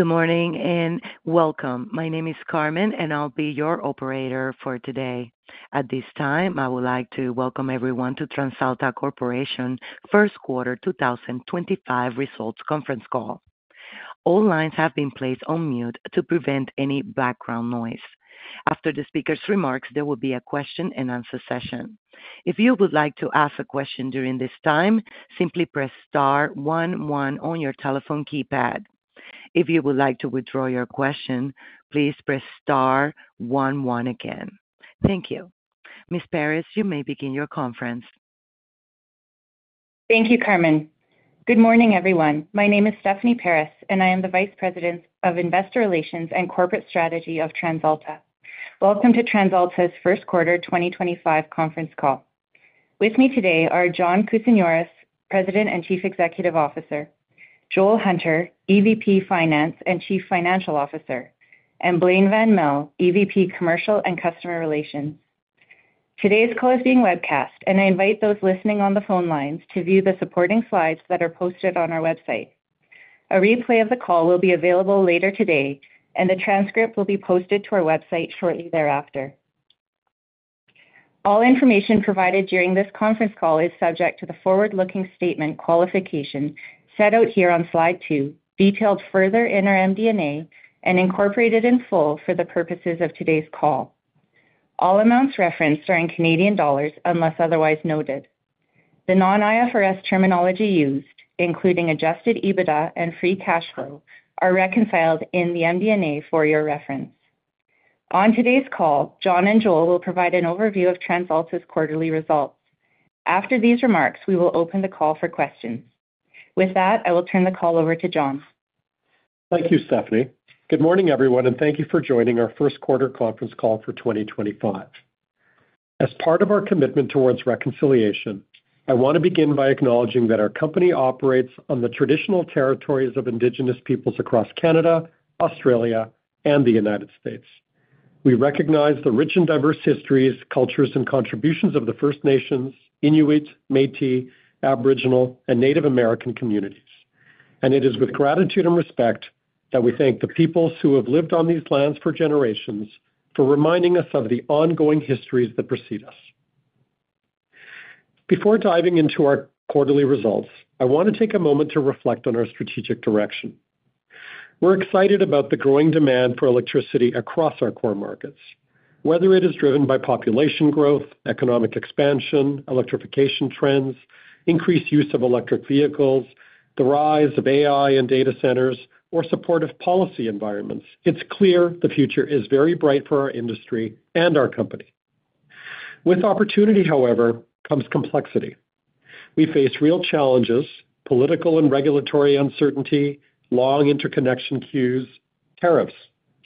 Good morning and welcome. My name is Carmen, and I'll be your operator for today. At this time, I would like to welcome everyone to TransAlta Corporation's first quarter 2025 results conference call. All lines have been placed on mute to prevent any background noise. After the speaker's remarks, there will be a question-and-answer session. If you would like to ask a question during this time, simply press star one one on your telephone keypad. If you would like to withdraw your question, please press star one one again. Thank you. Ms. Paris, you may begin your conference. Thank you, Carmen. Good morning, everyone. My name is Stephanie Paris, and I am the Vice President of Investor Relations and Corporate Strategy of TransAlta. Welcome to TransAlta's first quarter 2025 conference call. With me today are John Kousinioris, President and Chief Executive Officer; Joel Hunter, EVP Finance and Chief Financial Officer; and Blain Van Melle, EVP Commercial and Customer Relations. Today's call is being webcast, and I invite those listening on the phone lines to view the supporting slides that are posted on our website. A replay of the call will be available later today, and the transcript will be posted to our website shortly thereafter. All information provided during this conference call is subject to the forward-looking statement qualification set out here on slide two, detailed further in our MD&A and incorporated in full for the purposes of today's call. All amounts referenced are in Canadian dollars unless otherwise noted. The non-IFRS terminology used, including Adjusted EBITDA and Free Cash Flow, are reconciled in the MD&A for your reference. On today's call, John and Joel will provide an overview of TransAlta's quarterly results. After these remarks, we will open the call for questions. With that, I will turn the call over to John. Thank you, Stephanie. Good morning, everyone, and thank you for joining our first quarter conference call for 2025. As part of our commitment towards reconciliation, I want to begin by acknowledging that our company operates on the traditional territories of Indigenous peoples across Canada, Australia, and the United States. We recognize the rich and diverse histories, cultures, and contributions of the First Nation, Inuit, Métis, Aboriginal, and Native American communities. It is with gratitude and respect that we thank the peoples who have lived on these lands for generations for reminding us of the ongoing histories that precede us. Before diving into our quarterly results, I want to take a moment to reflect on our strategic direction. We're excited about the growing demand for electricity across our core markets, whether it is driven by population growth, economic expansion, electrification trends, increased use of electric vehicles, the rise of AI and data centers, or supportive policy environments. It's clear the future is very bright for our industry and our company. With opportunity, however, comes complexity. We face real challenges: political and regulatory uncertainty, long interconnection queues, tariffs,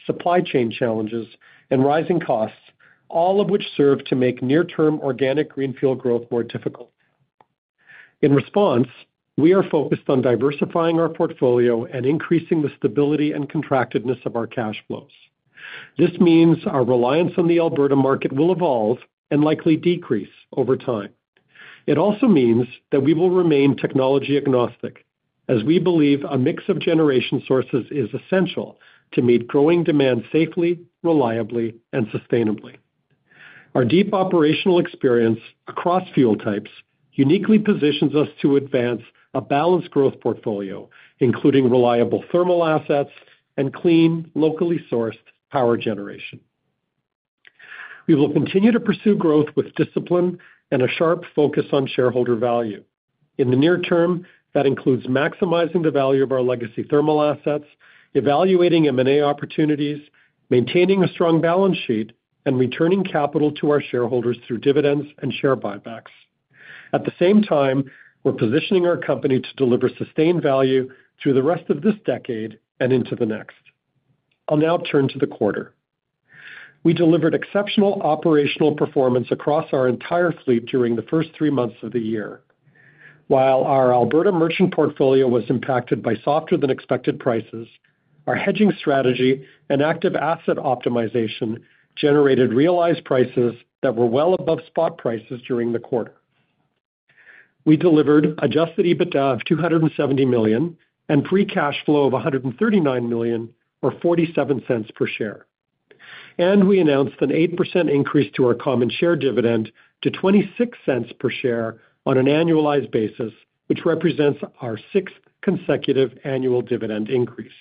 supply chain challenges, and rising costs, all of which serve to make near-term organic greenfield growth more difficult. In response, we are focused on diversifying our portfolio and increasing the stability and contractedness of our cash flows. This means our reliance on the Alberta market will evolve and likely decrease over time. It also means that we will remain technology agnostic, as we believe a mix of generation sources is essential to meet growing demand safely, reliably, and sustainably. Our deep operational experience across fuel types uniquely positions us to advance a balanced growth portfolio, including reliable thermal assets and clean, locally sourced power generation. We will continue to pursue growth with discipline and a sharp focus on shareholder value. In the near term, that includes maximizing the value of our legacy thermal assets, evaluating M&A opportunities, maintaining a strong balance sheet, and returning capital to our shareholders through dividends and share buybacks. At the same time, we're positioning our company to deliver sustained value through the rest of this decade and into the next. I'll now turn to the quarter. We delivered exceptional operational performance across our entire fleet during the first three months of the year. While our Alberta merchant portfolio was impacted by softer-than-expected prices, our hedging strategy and active asset optimization generated realized prices that were well above spot prices during the quarter. We delivered Adjusted EBITDA of 270 million and Free Cash Flow of 139 million, or 0.47 per share. We announced an 8% increase to our common share dividend to 0.26 per share on an annualized basis, which represents our sixth consecutive annual dividend increase.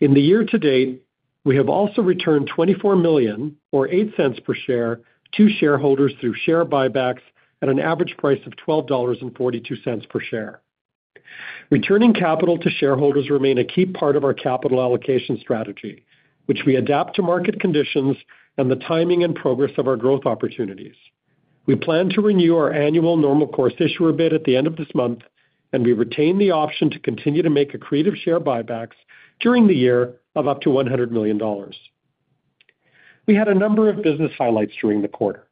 In the year to date, we have also returned 24 million, or 0.08 per share, to shareholders through share buybacks at an average price of 12.42 dollars per share. Returning capital to shareholders remains a key part of our capital allocation strategy, which we adapt to market conditions and the timing and progress of our growth opportunities. We plan to renew our annual normal course issuer bid at the end of this month, and we retain the option to continue to make accretive share buybacks during the year of up to 100 million dollars. We had a number of business highlights during the quarter.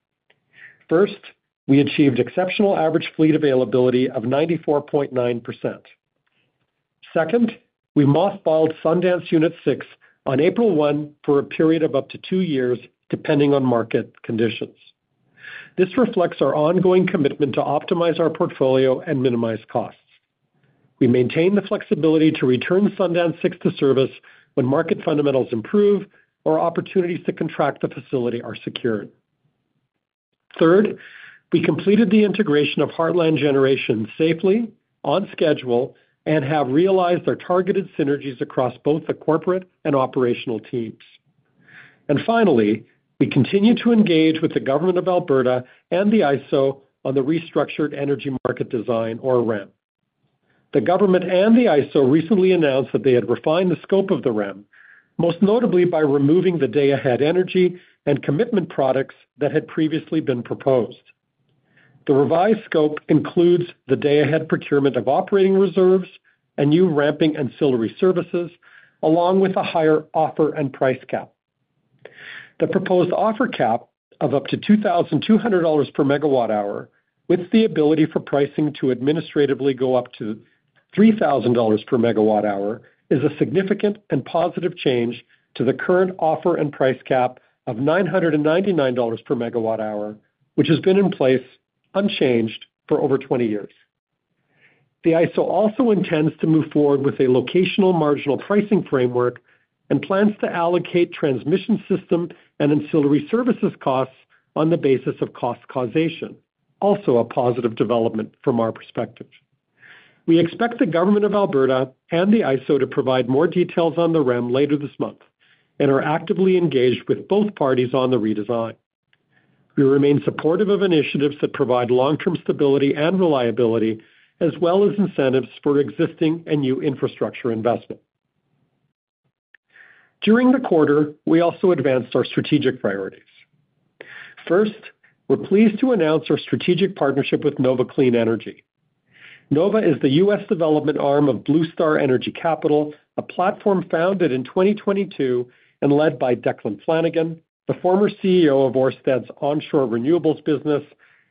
First, we achieved exceptional average fleet availability of 94.9%. Second, we mothballed Sundance Unit 6 on April 1 for a period of up to two years, depending on market conditions. This reflects our ongoing commitment to optimize our portfolio and minimize costs. We maintain the flexibility to return Sundance 6 to service when market fundamentals improve or opportunities to contract the facility are secured. Third, we completed the integration of Heartland Generation safely, on schedule, and have realized our targeted synergies across both the corporate and operational teams. Finally, we continue to engage with the Government of Alberta and the AESO on the restructured energy market design, or REM. The government and the AESO recently announced that they had refined the scope of the REM, most notably by removing the day-ahead energy and commitment products that had previously been proposed. The revised scope includes the day-ahead procurement of operating reserves and new ramping ancillary services, along with a higher offer and price cap. The proposed offer cap of up to 2,200 dollars per MWh, with the ability for pricing to administratively go up to 3,000 dollars per MWh, is a significant and positive change to the current offer and price cap of 999 dollars per MWh, which has been in place unchanged for over 20 years. The AESO also intends to move forward with a locational marginal pricing framework and plans to allocate transmission system and ancillary services costs on the basis of cost causation, also a positive development from our perspective. We expect the Government of Alberta and the AESO to provide more details on the REM later this month and are actively engaged with both parties on the redesign. We remain supportive of initiatives that provide long-term stability and reliability, as well as incentives for existing and new infrastructure investment. During the quarter, we also advanced our strategic priorities. First, we're pleased to announce our strategic partnership with Nova Clean Energy. Nova is the U.S. development arm of Bluestar Energy Capital, a platform founded in 2022 and led by Declan Flanagan, the former CEO of Ørsted's onshore renewables business,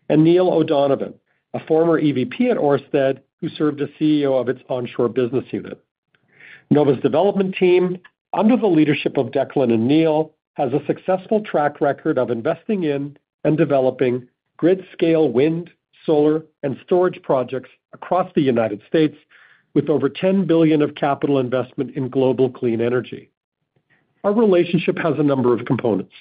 and Neil O'Donovan, a former EVP at Ørsted who served as CEO of its onshore business unit. Nova's development team, under the leadership of Declan and Neil, has a successful track record of investing in and developing grid-scale wind, solar, and storage projects across the United States, with over $10 billion of capital investment in global clean energy. Our relationship has a number of components.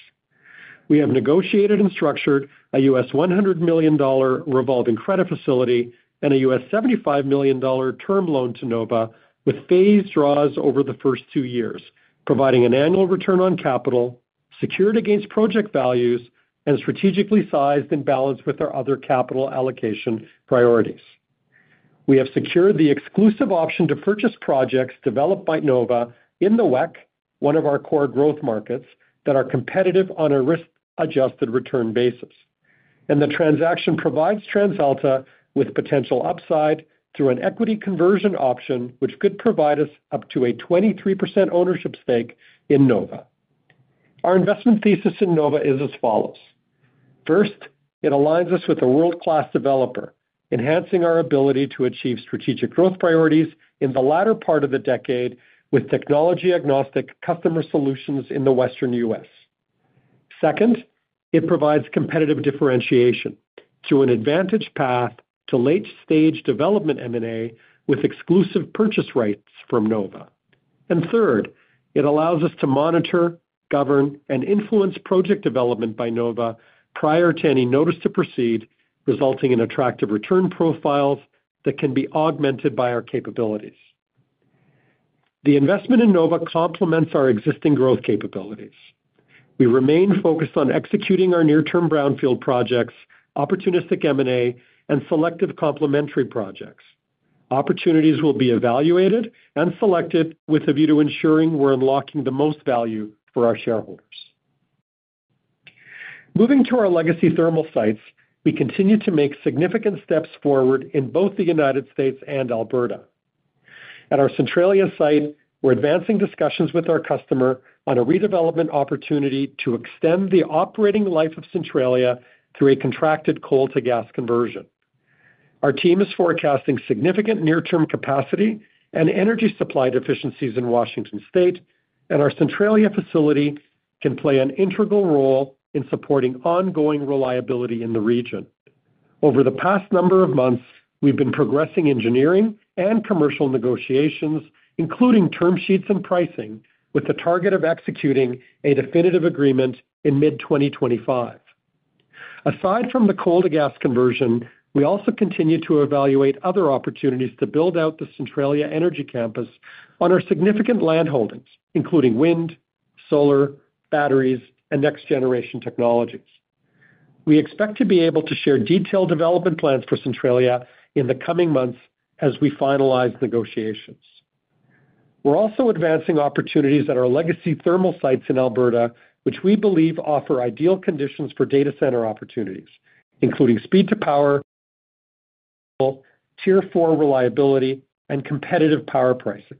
We have negotiated and structured a $100 million revolving credit facility and a $75 million term loan to Nova, with phased draws over the first two years, providing an annual return on capital secured against project values and strategically sized in balance with our other capital allocation priorities. We have secured the exclusive option to purchase projects developed by Nova in the WECC, one of our core growth markets, that are competitive on a risk-adjusted return basis. The transaction provides TransAlta with potential upside through an equity conversion option, which could provide us up to a 23% ownership stake in Nova. Our investment thesis in Nova is as follows. First, it aligns us with a world-class developer, enhancing our ability to achieve strategic growth priorities in the latter part of the decade with technology-agnostic customer solutions in the Western U.S. Second, it provides competitive differentiation through an advantage path to late-stage development M&A with exclusive purchase rights from Nova. Third, it allows us to monitor, govern, and influence project development by Nova prior to any notice to proceed, resulting in attractive return profiles that can be augmented by our capabilities. The investment in Nova complements our existing growth capabilities. We remain focused on executing our near-term brownfield projects, opportunistic M&A, and selective complementary projects. Opportunities will be evaluated and selected with a view to ensuring we're unlocking the most value for our shareholders. Moving to our legacy thermal sites, we continue to make significant steps forward in both the United States and Alberta. At our Centralia site, we're advancing discussions with our customer on a redevelopment opportunity to extend the operating life of Centralia through a contracted coal-to-gas conversion. Our team is forecasting significant near-term capacity and energy supply deficiencies in Washington State, and our Centralia facility can play an integral role in supporting ongoing reliability in the region. Over the past number of months, we've been progressing engineering and commercial negotiations, including term sheets and pricing, with the target of executing a definitive agreement in mid-2025. Aside from the coal-to-gas conversion, we also continue to evaluate other opportunities to build out the Centralia Energy Campus on our significant land holdings, including wind, solar, batteries, and next-generation technologies. We expect to be able to share detailed development plans for Centralia in the coming months as we finalize negotiations. We're also advancing opportunities at our legacy thermal sites in Alberta, which we believe offer ideal conditions for data center opportunities, including speed-to-power, tier-4 reliability, and competitive power pricing.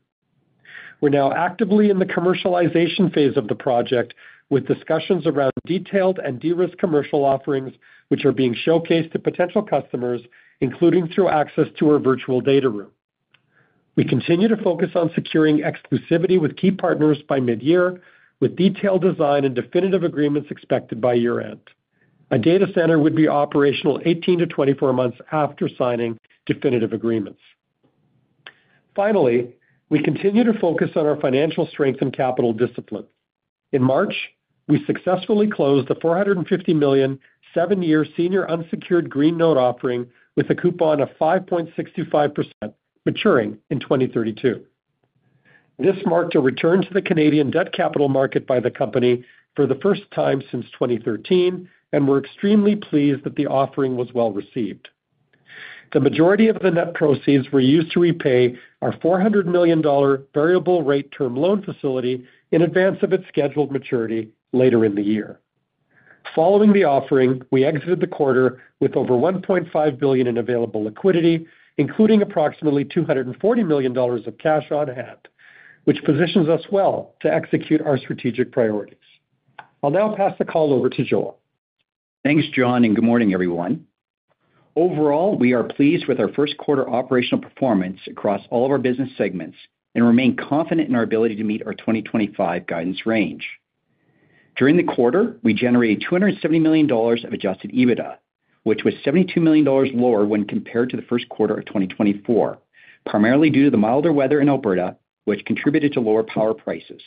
We're now actively in the commercialization phase of the project, with discussions around detailed and de-risk commercial offerings, which are being showcased to potential customers, including through access to our virtual data room. We continue to focus on securing exclusivity with key partners by mid-year, with detailed design and definitive agreements expected by year-end. A data center would be operational 18 to 24 months after signing definitive agreements. Finally, we continue to focus on our financial strength and capital discipline. In March, we successfully closed a 450 million, seven-year senior unsecured green note offering with a coupon of 5.65%, maturing in 2032. This marked a return to the Canadian debt capital market by the company for the first time since 2013, and we're extremely pleased that the offering was well received. The majority of the net proceeds were used to repay our 400 million dollar variable-rate term loan facility in advance of its scheduled maturity later in the year. Following the offering, we exited the quarter with over 1.5 billion in available liquidity, including approximately 240 million dollars of cash on hand, which positions us well to execute our strategic priorities. I'll now pass the call over to Joel. Thanks, John, and good morning, everyone. Overall, we are pleased with our first quarter operational performance across all of our business segments and remain confident in our ability to meet our 2025 guidance range. During the quarter, we generated 270 million dollars of Adjusted EBITDA, which was 72 million dollars lower when compared to the first quarter of 2024, primarily due to the milder weather in Alberta, which contributed to lower power prices.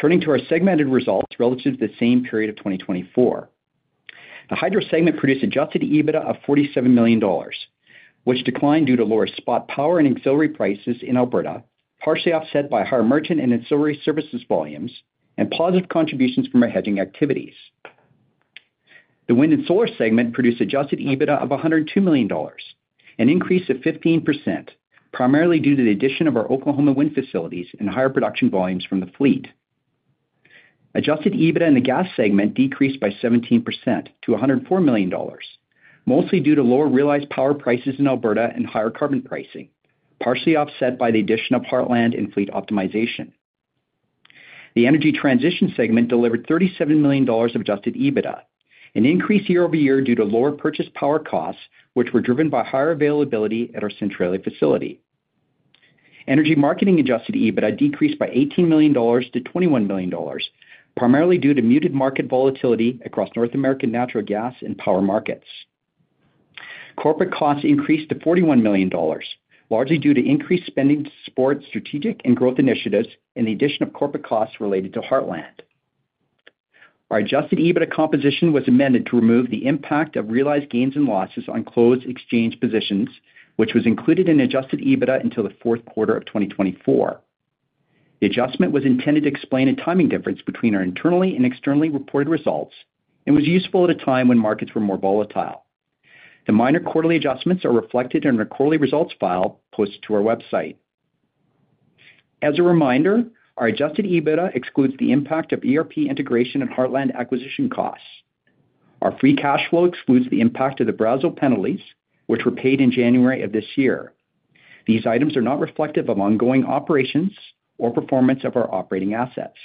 Turning to our segmented results relative to the same period of 2024, the Hydro segment produced Adjusted EBITDA of 47 million dollars, which declined due to lower spot power and ancillary prices in Alberta, partially offset by higher merchant and ancillary services volumes and positive contributions from our hedging activities. The Wind and Solar segment produced Adjusted EBITDA of 102 million dollars, an increase of 15%, primarily due to the addition of our Oklahoma wind facilities and higher production volumes from the fleet. Adjusted EBITDA in the Gas segment decreased by 17% to 104 million dollars, mostly due to lower realized power prices in Alberta and higher carbon pricing, partially offset by the addition of Heartland and fleet optimization. The Energy Transition segment delivered 37 million dollars of Adjusted EBITDA, an increase year-over-year due to lower purchase power costs, which were driven by higher availability at our Centralia facility. Energy Marketing Adjusted EBITDA decreased by $18 million to $21 million, primarily due to muted market volatility across North American natural gas and power markets. Corporate costs increased to $41 million, largely due to increased spending to support strategic and growth initiatives and the addition of corporate costs related to Heartland. Our Adjusted EBITDA composition was amended to remove the impact of realized gains and losses on closed exchange positions, which was included in Adjusted EBITDA until the fourth quarter of 2024. The adjustment was intended to explain a timing difference between our internally and externally reported results and was useful at a time when markets were more volatile. The minor quarterly adjustments are reflected in our quarterly results file posted to our website. As a reminder, our Adjusted EBITDA excludes the impact of ERP integration and Heartland acquisition costs. Our Free Cash Flow excludes the impact of the Brazil penalties, which were paid in January of this year. These items are not reflective of ongoing operations or performance of our operating assets.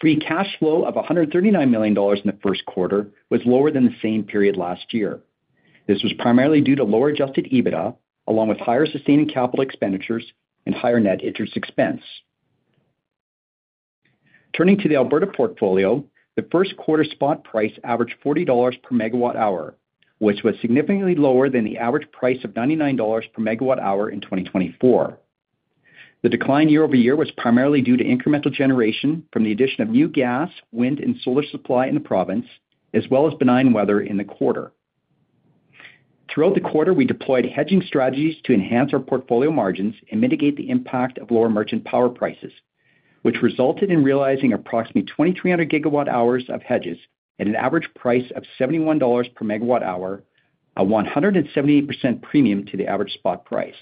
Free cash flow of 139 million dollars in the first quarter was lower than the same period last year. This was primarily due to lower Adjusted EBITDA, along with higher sustaining capital expenditures and higher net interest expense. Turning to the Alberta portfolio, the first quarter spot price averaged 40 dollars per MWh, which was significantly lower than the average price of 99 dollars per MWh in 2024. The decline year-over-year was primarily due to incremental generation from the addition of new gas, wind, and solar supply in the province, as well as benign weather in the quarter. Throughout the quarter, we deployed hedging strategies to enhance our portfolio margins and mitigate the impact of lower merchant power prices, which resulted in realizing approximately 2,300 GWh of hedges at an average price of $71 per MWh, a 178% premium to the average spot price.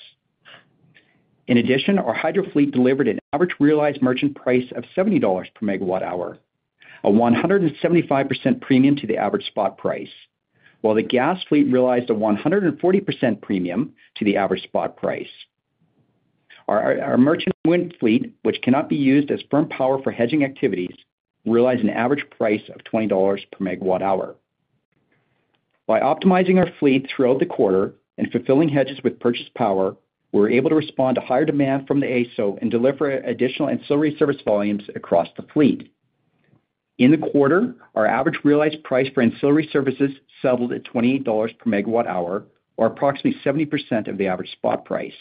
In addition, our hydro fleet delivered an average realized merchant price of $70 per MWh, a 175% premium to the average spot price, while the gas fleet realized a 140% premium to the average spot price. Our merchant wind fleet, which cannot be used as firm power for hedging activities, realized an average price of $20 per MWh. By optimizing our fleet throughout the quarter and fulfilling hedges with purchase power, we were able to respond to higher demand from the AESO and deliver additional ancillary service volumes across the fleet. In the quarter, our average realized price for ancillary services settled at $28 per MWh, or approximately 70% of the average spot price.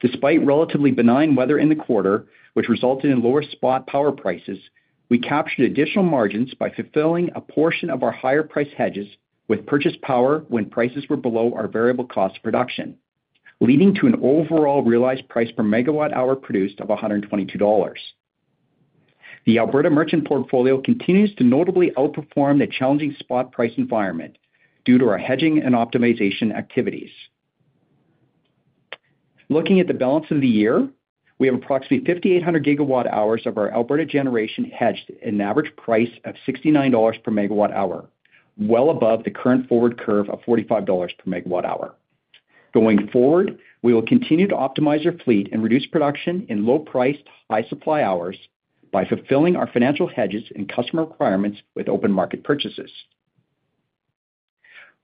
Despite relatively benign weather in the quarter, which resulted in lower spot power prices, we captured additional margins by fulfilling a portion of our higher-priced hedges with purchase power when prices were below our variable cost of production, leading to an overall realized price per megawatt hour produced of $122. The Alberta merchant portfolio continues to notably outperform the challenging spot price environment due to our hedging and optimization activities. Looking at the balance of the year, we have approximately 5,800 GWh of our Alberta generation hedged at an average price of $69 per MWh, well above the current forward curve of $45 per MWh. Going forward, we will continue to optimize our fleet and reduce production in low-priced to high-supply hours by fulfilling our financial hedges and customer requirements with open market purchases.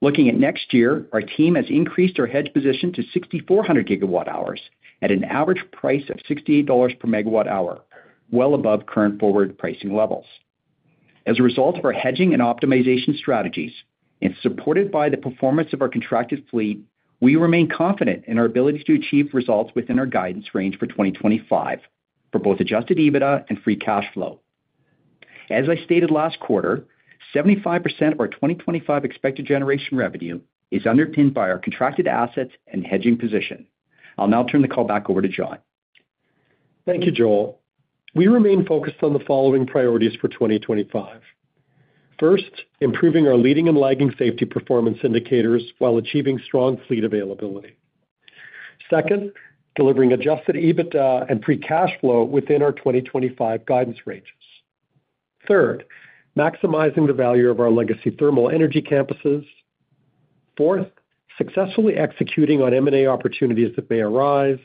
Looking at next year, our team has increased our hedge position to 6,400 GWh at an average price of $68 per MWh, well above current forward pricing levels. As a result of our hedging and optimization strategies, and supported by the performance of our contracted fleet, we remain confident in our ability to achieve results within our guidance range for 2025 for both Adjusted EBITDA and Free Cash Flow. As I stated last quarter, 75% of our 2025 expected generation revenue is underpinned by our contracted assets and hedging position. I'll now turn the call back over to John. Thank you, Joel. We remain focused on the following priorities for 2025. First, improving our leading and lagging safety performance indicators while achieving strong fleet availability. Second, delivering Adjusted EBITDA and Free Cash Flow within our 2025 guidance ranges. Third, maximizing the value of our legacy thermal energy campuses. Fourth, successfully executing on M&A opportunities that may arise.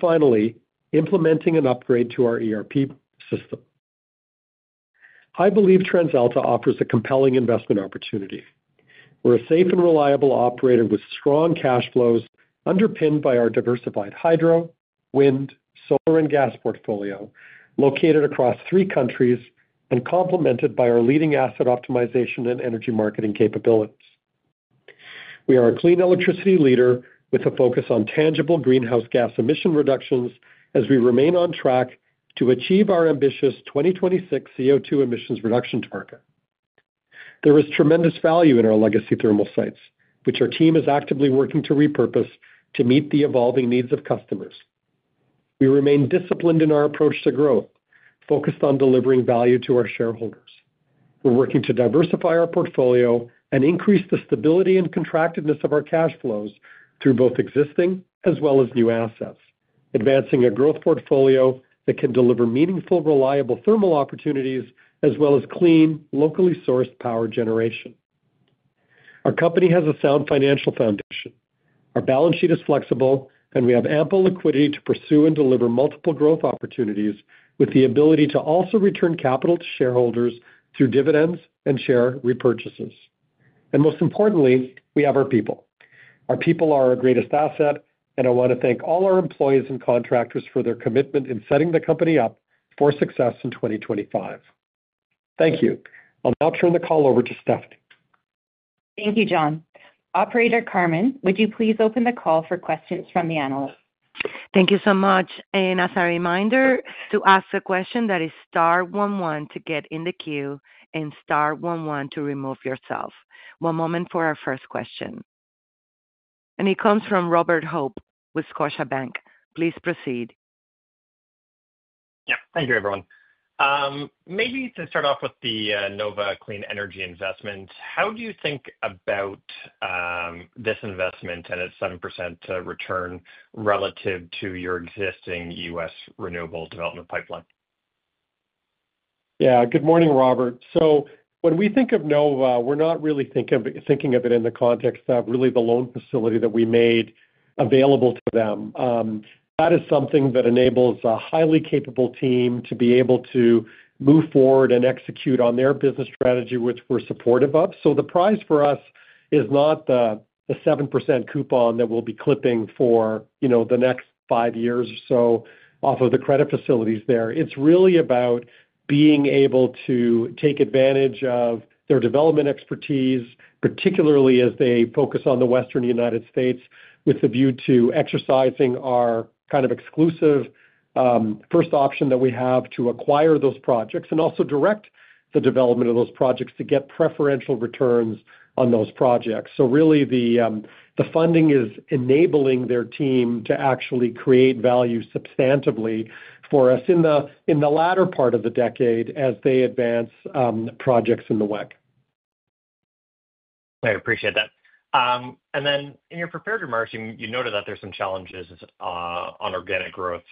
Finally, implementing an upgrade to our ERP system. I believe TransAlta offers a compelling investment opportunity. We are a safe and reliable operator with strong cash flows underpinned by our diversified Hydro, Wind, Solar, and Gas portfolio located across three countries and complemented by our leading asset optimization and energy marketing capabilities. We are a clean electricity leader with a focus on tangible greenhouse gas emission reductions as we remain on track to achieve our ambitious 2026 CO2 emissions reduction target. There is tremendous value in our legacy thermal sites, which our team is actively working to repurpose to meet the evolving needs of customers. We remain disciplined in our approach to growth, focused on delivering value to our shareholders. We are working to diversify our portfolio and increase the stability and contractedness of our cash flows through both existing as well as new assets, advancing a growth portfolio that can deliver meaningful, reliable thermal opportunities as well as clean, locally sourced power generation. Our company has a sound financial foundation. Our balance sheet is flexible, and we have ample liquidity to pursue and deliver multiple growth opportunities with the ability to also return capital to shareholders through dividends and share repurchases. Most importantly, we have our people. Our people are our greatest asset, and I want to thank all our employees and contractors for their commitment in setting the company up for success in 2025. Thank you. I'll now turn the call over to Stephanie. Thank you, John. Operator Carmen, would you please open the call for questions from the analysts? Thank you so much. As a reminder, to ask a question, that is star one one to get in the queue and star one one to remove yourself. One moment for our first question. It comes from Robert Hope with Scotiabank. Please proceed. Yeah. Thank you, everyone. Maybe to start off with the Nova Clean Energy investment, how do you think about this investment and its 7% return relative to your existing U.S. renewable development pipeline? Yeah. Good morning, Robert. When we think of Nova, we're not really thinking of it in the context of really the loan facility that we made available to them. That is something that enables a highly capable team to be able to move forward and execute on their business strategy, which we're supportive of. The prize for us is not the 7% coupon that we'll be clipping for the next five years or so off of the credit facilities there. It's really about being able to take advantage of their development expertise, particularly as they focus on the Western United States with the view to exercising our kind of exclusive first option that we have to acquire those projects and also direct the development of those projects to get preferential returns on those projects. Really, the funding is enabling their team to actually create value substantively for us in the latter part of the decade as they advance projects in the way. I appreciate that. In your prepared remarks, you noted that there are some challenges on organic growth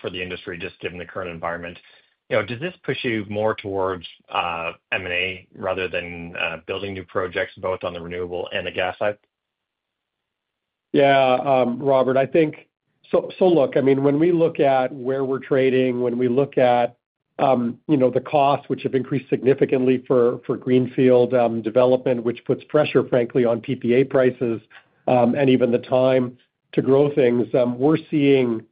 for the industry just given the current environment. Does this push you more towards M&A rather than building new projects both on the renewable and the gas side? Yeah, Robert. I think so. Look, I mean, when we look at where we're trading, when we look at the costs, which have increased significantly for greenfield development, which puts pressure, frankly, on PPA prices and even the time to grow things, we're seeing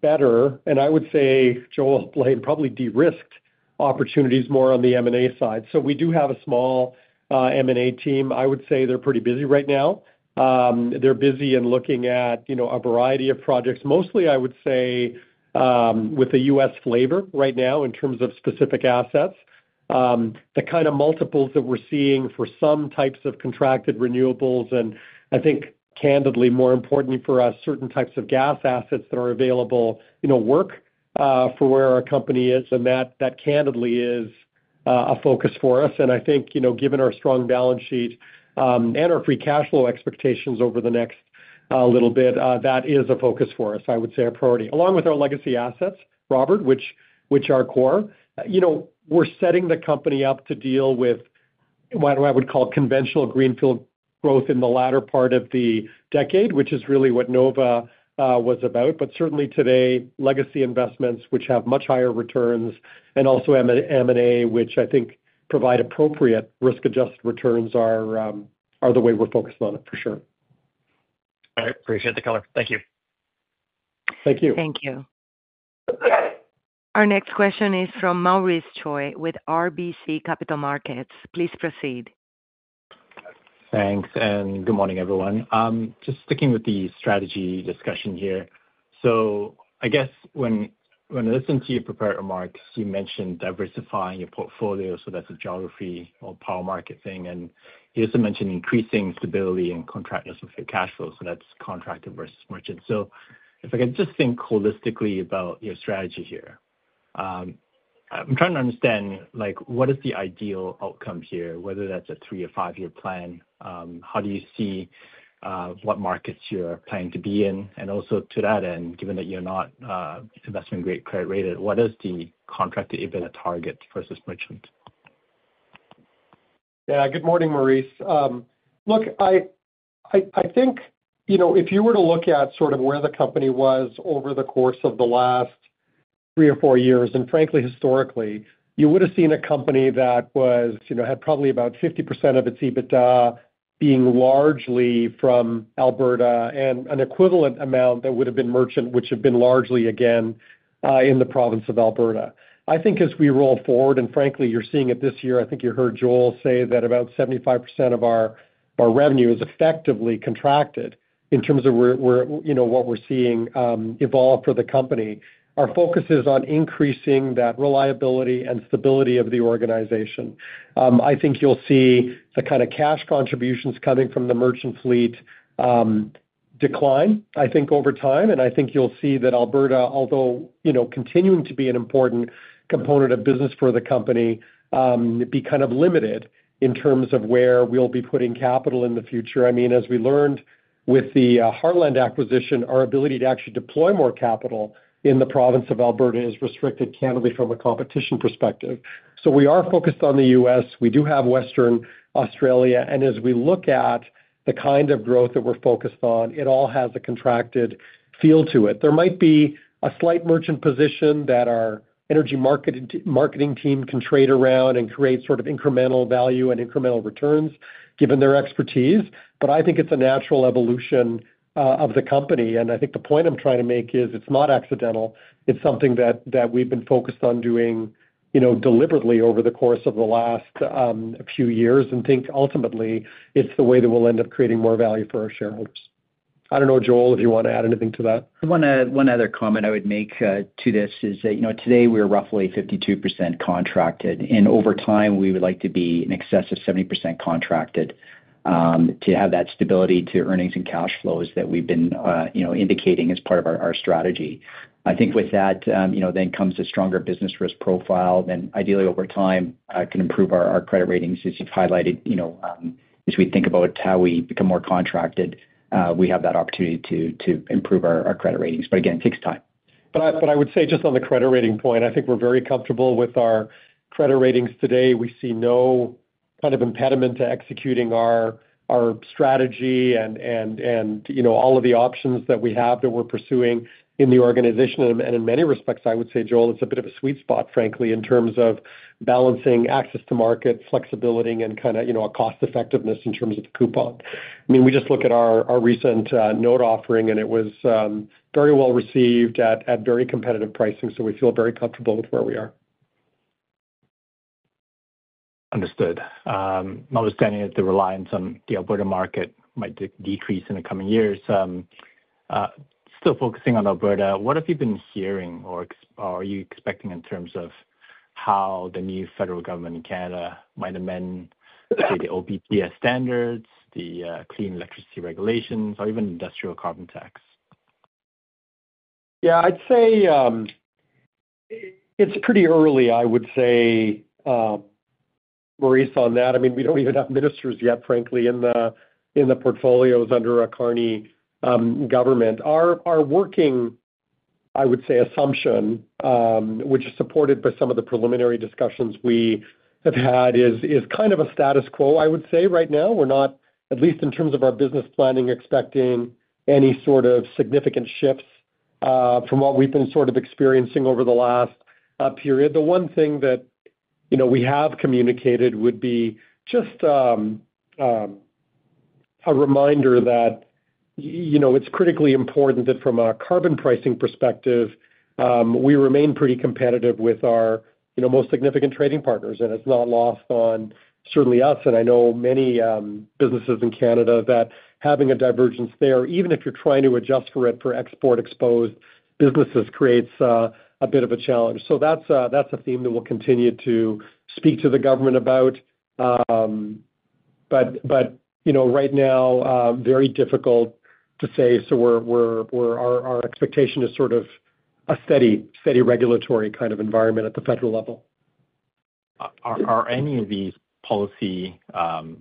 better, and I would say, Joel, Blain, probably de-risked opportunities more on the M&A side. We do have a small M&A team. I would say they're pretty busy right now. They're busy in looking at a variety of projects, mostly, I would say, with the U.S. flavor right now in terms of specific assets. The kind of multiples that we're seeing for some types of contracted renewables and, I think, candidly, more importantly for us, certain types of gas assets that are available work for where our company is. That candidly is a focus for us. I think, given our strong balance sheet and our Free Cash Flow expectations over the next little bit, that is a focus for us, I would say, a priority. Along with our legacy assets, Robert, which are core, we're setting the company up to deal with what I would call conventional greenfield growth in the latter part of the decade, which is really what Nova was about. But certainly today, legacy investments, which have much higher returns, and also M&A, which I think provide appropriate risk-adjusted returns, are the way we're focused on it, for sure. All right. Appreciate the color. Thank you. Thank you. Thank you. Our next question is from Maurice Choy with RBC Capital Markets. Please proceed. Thanks. And good morning, everyone. Just sticking with the strategy discussion here. So I guess when I listened to your prepared remarks, you mentioned diversifying your portfolio. So that's a geography or power market thing. And you also mentioned increasing stability and contractedness with your cash flow. So that's contracted versus merchant. So if I could just think holistically about your strategy here, I'm trying to understand what is the ideal outcome here, whether that's a three or five-year plan. How do you see what markets you're planning to be in? Also to that end, given that you're not investment-grade credit-rated, what is the contracted EBITDA target versus merchant? Yeah. Good morning, Maurice. Look, I think if you were to look at sort of where the company was over the course of the last three or four years, and frankly, historically, you would have seen a company that had probably about 50% of its EBITDA being largely from Alberta and an equivalent amount that would have been merchant, which have been largely, again, in the province of Alberta. I think as we roll forward, and frankly, you're seeing it this year, I think you heard Joel say that about 75% of our revenue is effectively contracted in terms of what we're seeing evolve for the company. Our focus is on increasing that reliability and stability of the organization. I think you'll see the kind of cash contributions coming from the merchant fleet decline, I think, over time. I think you'll see that Alberta, although continuing to be an important component of business for the company, be kind of limited in terms of where we'll be putting capital in the future. I mean, as we learned with the Heartland acquisition, our ability to actually deploy more capital in the province of Alberta is restricted candidly from a competition perspective. We are focused on the U.S. We do have Western Australia. As we look at the kind of growth that we're focused on, it all has a contracted feel to it. There might be a slight merchant position that our energy marketing team can trade around and create sort of incremental value and incremental returns given their expertise. I think it's a natural evolution of the company. I think the point I'm trying to make is it's not accidental. It's something that we've been focused on doing deliberately over the course of the last few years. I think ultimately, it's the way that we'll end up creating more value for our shareholders. I don't know, Joel, if you want to add anything to that. One other comment I would make to this is that today we are roughly 52% contracted. Over time, we would like to be in excess of 70% contracted to have that stability to earnings and cash flows that we've been indicating as part of our strategy. I think with that then comes a stronger business risk profile that ideally over time can improve our credit ratings as you've highlighted. As we think about how we become more contracted, we have that opportunity to improve our credit ratings. It takes time. I would say just on the credit rating point, I think we're very comfortable with our credit ratings today. We see no kind of impediment to executing our strategy and all of the options that we have that we're pursuing in the organization. In many respects, I would say, Joel, it's a bit of a sweet spot, frankly, in terms of balancing access to market, flexibility, and kind of cost-effectiveness in terms of the coupon. I mean, we just look at our recent note offering, and it was very well received at very competitive pricing. We feel very comfortable with where we are. Understood. My understanding is the reliance on the Alberta market might decrease in the coming years. Still focusing on Alberta, what have you been hearing or are you expecting in terms of how the new federal government in Canada might amend the OPPS standards, the clean electricity regulations, or even industrial carbon tax? Yeah. I'd say it's pretty early, I would say, Maurice, on that. I mean, we don't even have ministers yet, frankly, in the portfolios under a Carney government. Our working, I would say, assumption, which is supported by some of the preliminary discussions we have had, is kind of a status quo, I would say, right now. We're not, at least in terms of our business planning, expecting any sort of significant shifts from what we've been sort of experiencing over the last period. The one thing that we have communicated would be just a reminder that it's critically important that from a carbon pricing perspective, we remain pretty competitive with our most significant trading partners. It's not lost on certainly us, and I know many businesses in Canada, that having a divergence there, even if you're trying to adjust for it for export-exposed businesses, creates a bit of a challenge. That's a theme that we'll continue to speak to the government about. Right now, very difficult to say. Our expectation is sort of a steady regulatory kind of environment at the federal level. Are any of these policy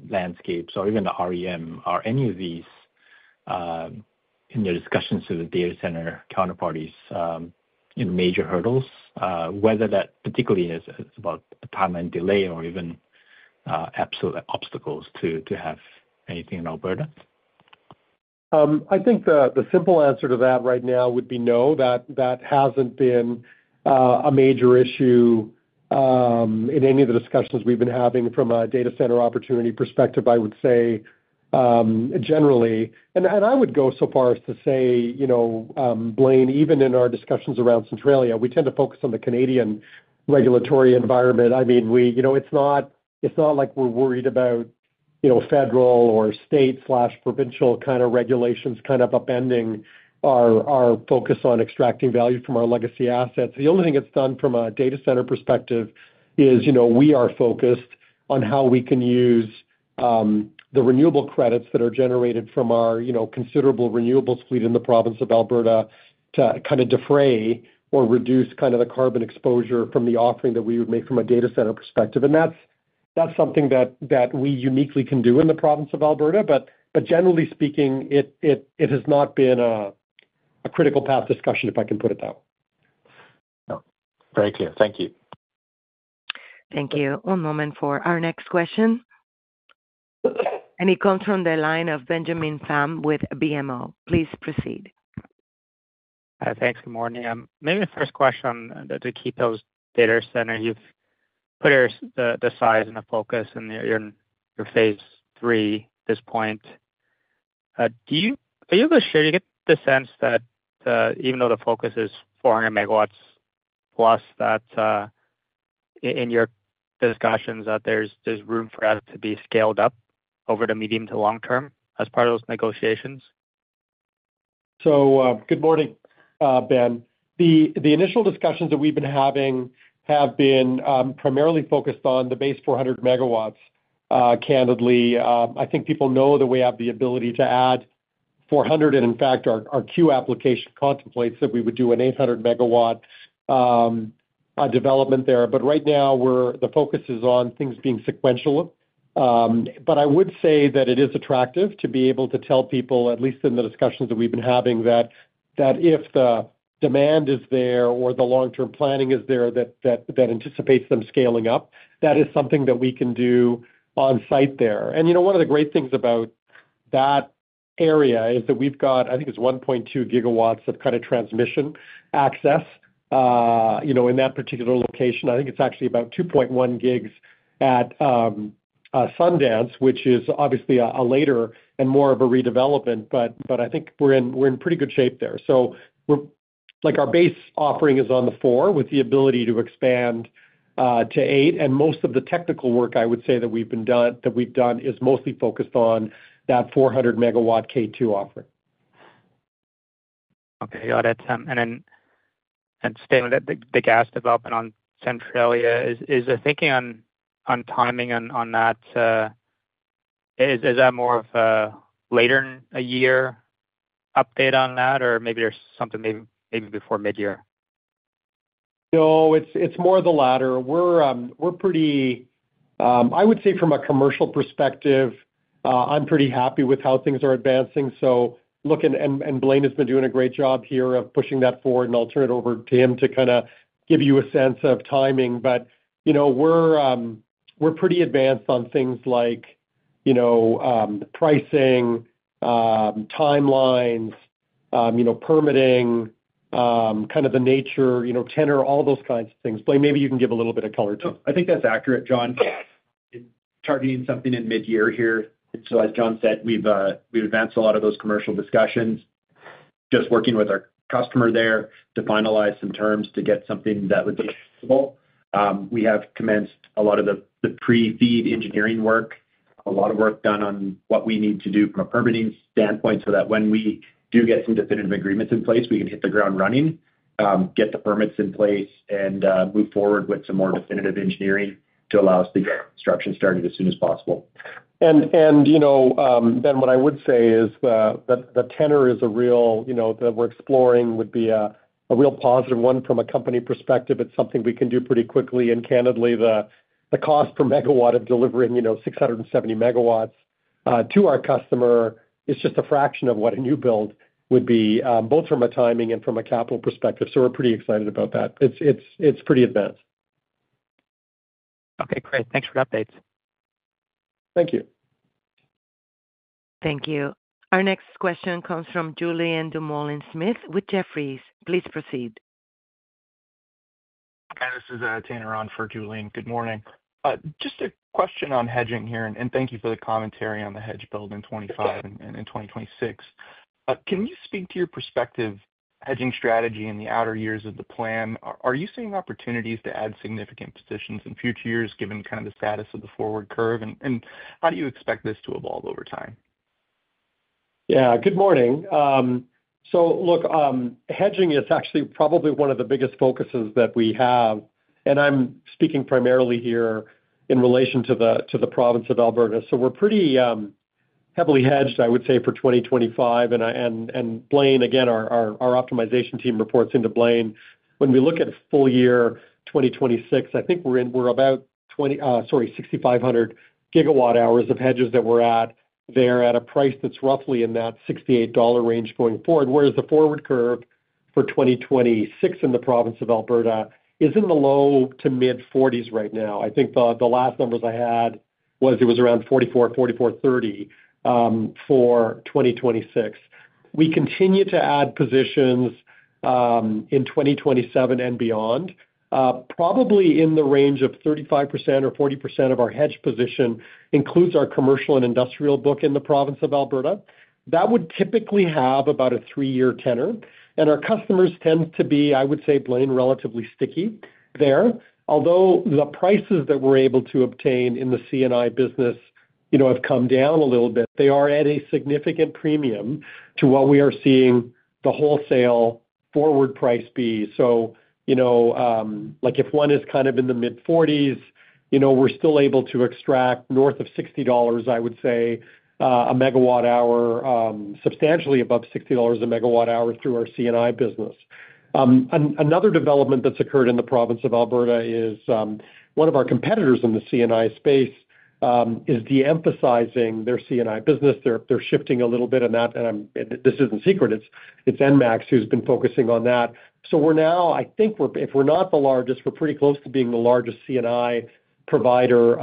landscapes or even the REM, are any of these in your discussions to the data center counterparties in major hurdles, whether that particularly is about a timeline delay or even absolute obstacles to have anything in Alberta? I think the simple answer to that right now would be no. That has not been a major issue in any of the discussions we have been having from a data center opportunity perspective, I would say, generally. I would go so far as to say, Blain, even in our discussions around Centralia, we tend to focus on the Canadian regulatory environment. I mean, it is not like we are worried about federal or state/provincial kind of regulations upending our focus on extracting value from our legacy assets. The only thing it has done from a data center perspective is we are focused on how we can use the renewable credits that are generated from our considerable renewables fleet in the province of Alberta to defray or reduce the carbon exposure from the offering that we would make from a data center perspective. That is something that we uniquely can do in the province of Alberta. Generally speaking, it has not been a critical path discussion, if I can put it that way. Very clear. Thank you. Thank you. One moment for our next question. It comes from the line of Benjamin Pham with BMO. Please proceed. Thanks. Good morning. Maybe the first question to keep those data center, you have put the size and the focus and you are in phase three at this point. Are you able to share? Do you get the sense that even though the focus is 400 MW plus, that in your discussions, there is room for us to be scaled up over the medium to long term as part of those negotiations? Good morning, Ben. The initial discussions that we have been having have been primarily focused on the base 400 MW. Candidly, I think people know that we have the ability to add 400 and in fact, our queue application contemplates that we would do an 800 MW development there. Right now, the focus is on things being sequential. I would say that it is attractive to be able to tell people, at least in the discussions that we have been having, that if the demand is there or the long-term planning is there that anticipates them scaling up, that is something that we can do on-site there. One of the great things about that area is that we have, I think it is 1.2 GW of kind of transmission access in that particular location. I think it is actually about 2.1 gigs at Sundance, which is obviously a later and more of a redevelopment. I think we are in pretty good shape there. Our base offering is on the four with the ability to expand to eight. Most of the technical work, I would say, that we have done is mostly focused on that 400 MW K2 offering. Okay. Got it. The gas development on Centralia, is there thinking on timing on that? Is that more of a later in a year update on that, or maybe there is something maybe before midyear? No, it is more of the latter. I would say from a commercial perspective, I am pretty happy with how things are advancing. Look, and Blain has been doing a great job here of pushing that forward. I will turn it over to him to kind of give you a sense of timing. We are pretty advanced on things like pricing, timelines, permitting, kind of the nature, tenor, all those kinds of things. Maybe you can give a little bit of color too. I think that's accurate, John. Targeting something in midyear here. As John said, we've advanced a lot of those commercial discussions, just working with our customer there to finalize some terms to get something that would be acceptable. We have commenced a lot of the pre-feed engineering work, a lot of work done on what we need to do from a permitting standpoint so that when we do get some definitive agreements in place, we can hit the ground running, get the permits in place, and move forward with some more definitive engineering to allow us to get construction started as soon as possible. What I would say is the tenor that we're exploring would be a real positive one from a company perspective. It's something we can do pretty quickly. Candidly, the cost per megawatt of delivering 670 MW to our customer is just a fraction of what a new build would be, both from a timing and from a capital perspective. We are pretty excited about that. It is pretty advanced. Okay. Great. Thanks for the updates. Thank you. Thank you. Our next question comes from Julianne Dumoulin-Smith with Jefferies. Please proceed. Hi. This is Tanner on for Julian. Good morning. Just a question on hedging here. Thank you for the commentary on the hedge build in 2025 and in 2026. Can you speak to your perspective hedging strategy in the outer years of the plan? Are you seeing opportunities to add significant positions in future years given kind of the status of the forward curve? How do you expect this to evolve over time? Yeah. Good morning. Look, hedging is actually probably one of the biggest focuses that we have. I'm speaking primarily here in relation to the province of Alberta. We're pretty heavily hedged, I would say, for 2025. Blain, again, our optimization team reports into Blain. When we look at full year 2026, I think we're about, sorry, 6,500 GWh of hedges that we're at there at a price that's roughly in that 68 dollar range going forward. Whereas the forward curve for 2026 in the province of Alberta is in the low- to mid-40s right now. I think the last numbers I had was it was around 44, 44.30 for 2026. We continue to add positions in 2027 and beyond. Probably in the range of 35% or 40% of our hedge position includes our commercial and industrial book in the province of Alberta. That would typically have about a three-year tenor. Our customers tend to be, I would say, Blain, relatively sticky there. Although the prices that we are able to obtain in the C&I business have come down a little bit, they are at a significant premium to what we are seeing the wholesale forward price be. If one is kind of in the mid-40s, we are still able to extract north of $60, I would say, a magawatt hour, substantially above $60 a MWh through our C&I business. Another development that has occurred in the province of Alberta is one of our competitors in the C&I space is de-emphasizing their C&I business. They are shifting a little bit in that. This is not secret. It is ENMAX who has been focusing on that. We're now, I think if we're not the largest, we're pretty close to being the largest C&I provider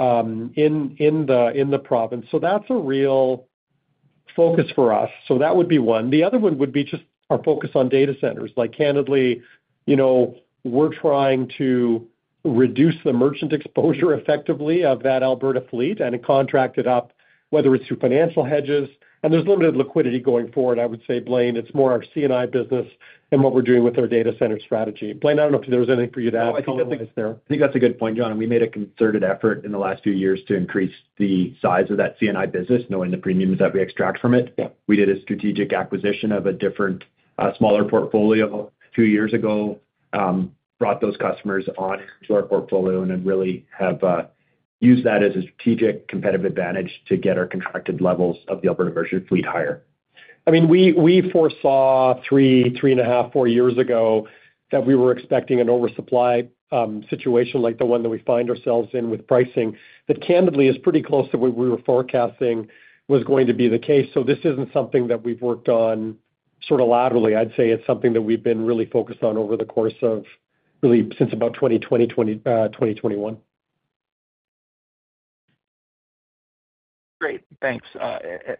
in the province. That's a real focus for us. That would be one. The other one would be just our focus on data centers. Candidly, we're trying to reduce the merchant exposure effectively of that Alberta fleet and contract it up, whether it's through financial hedges. There's limited liquidity going forward, I would say, Blain. It's more our C&I business and what we're doing with our data center strategy. Blain, I don't know if there's anything for you to add to that. I think that's a good point, John. We made a concerted effort in the last few years to increase the size of that C&I business, knowing the premiums that we extract from it. We did a strategic acquisition of a different smaller portfolio a few years ago, brought those customers on into our portfolio, and then really have used that as a strategic competitive advantage to get our contracted levels of the Alberta version fleet higher. I mean, we foresaw three, three and a half, four years ago that we were expecting an oversupply situation like the one that we find ourselves in with pricing that, candidly, is pretty close to what we were forecasting was going to be the case. This is not something that we have worked on sort of laterally. I would say it is something that we have been really focused on over the course of really since about 2020, 2021. Great. Thanks. The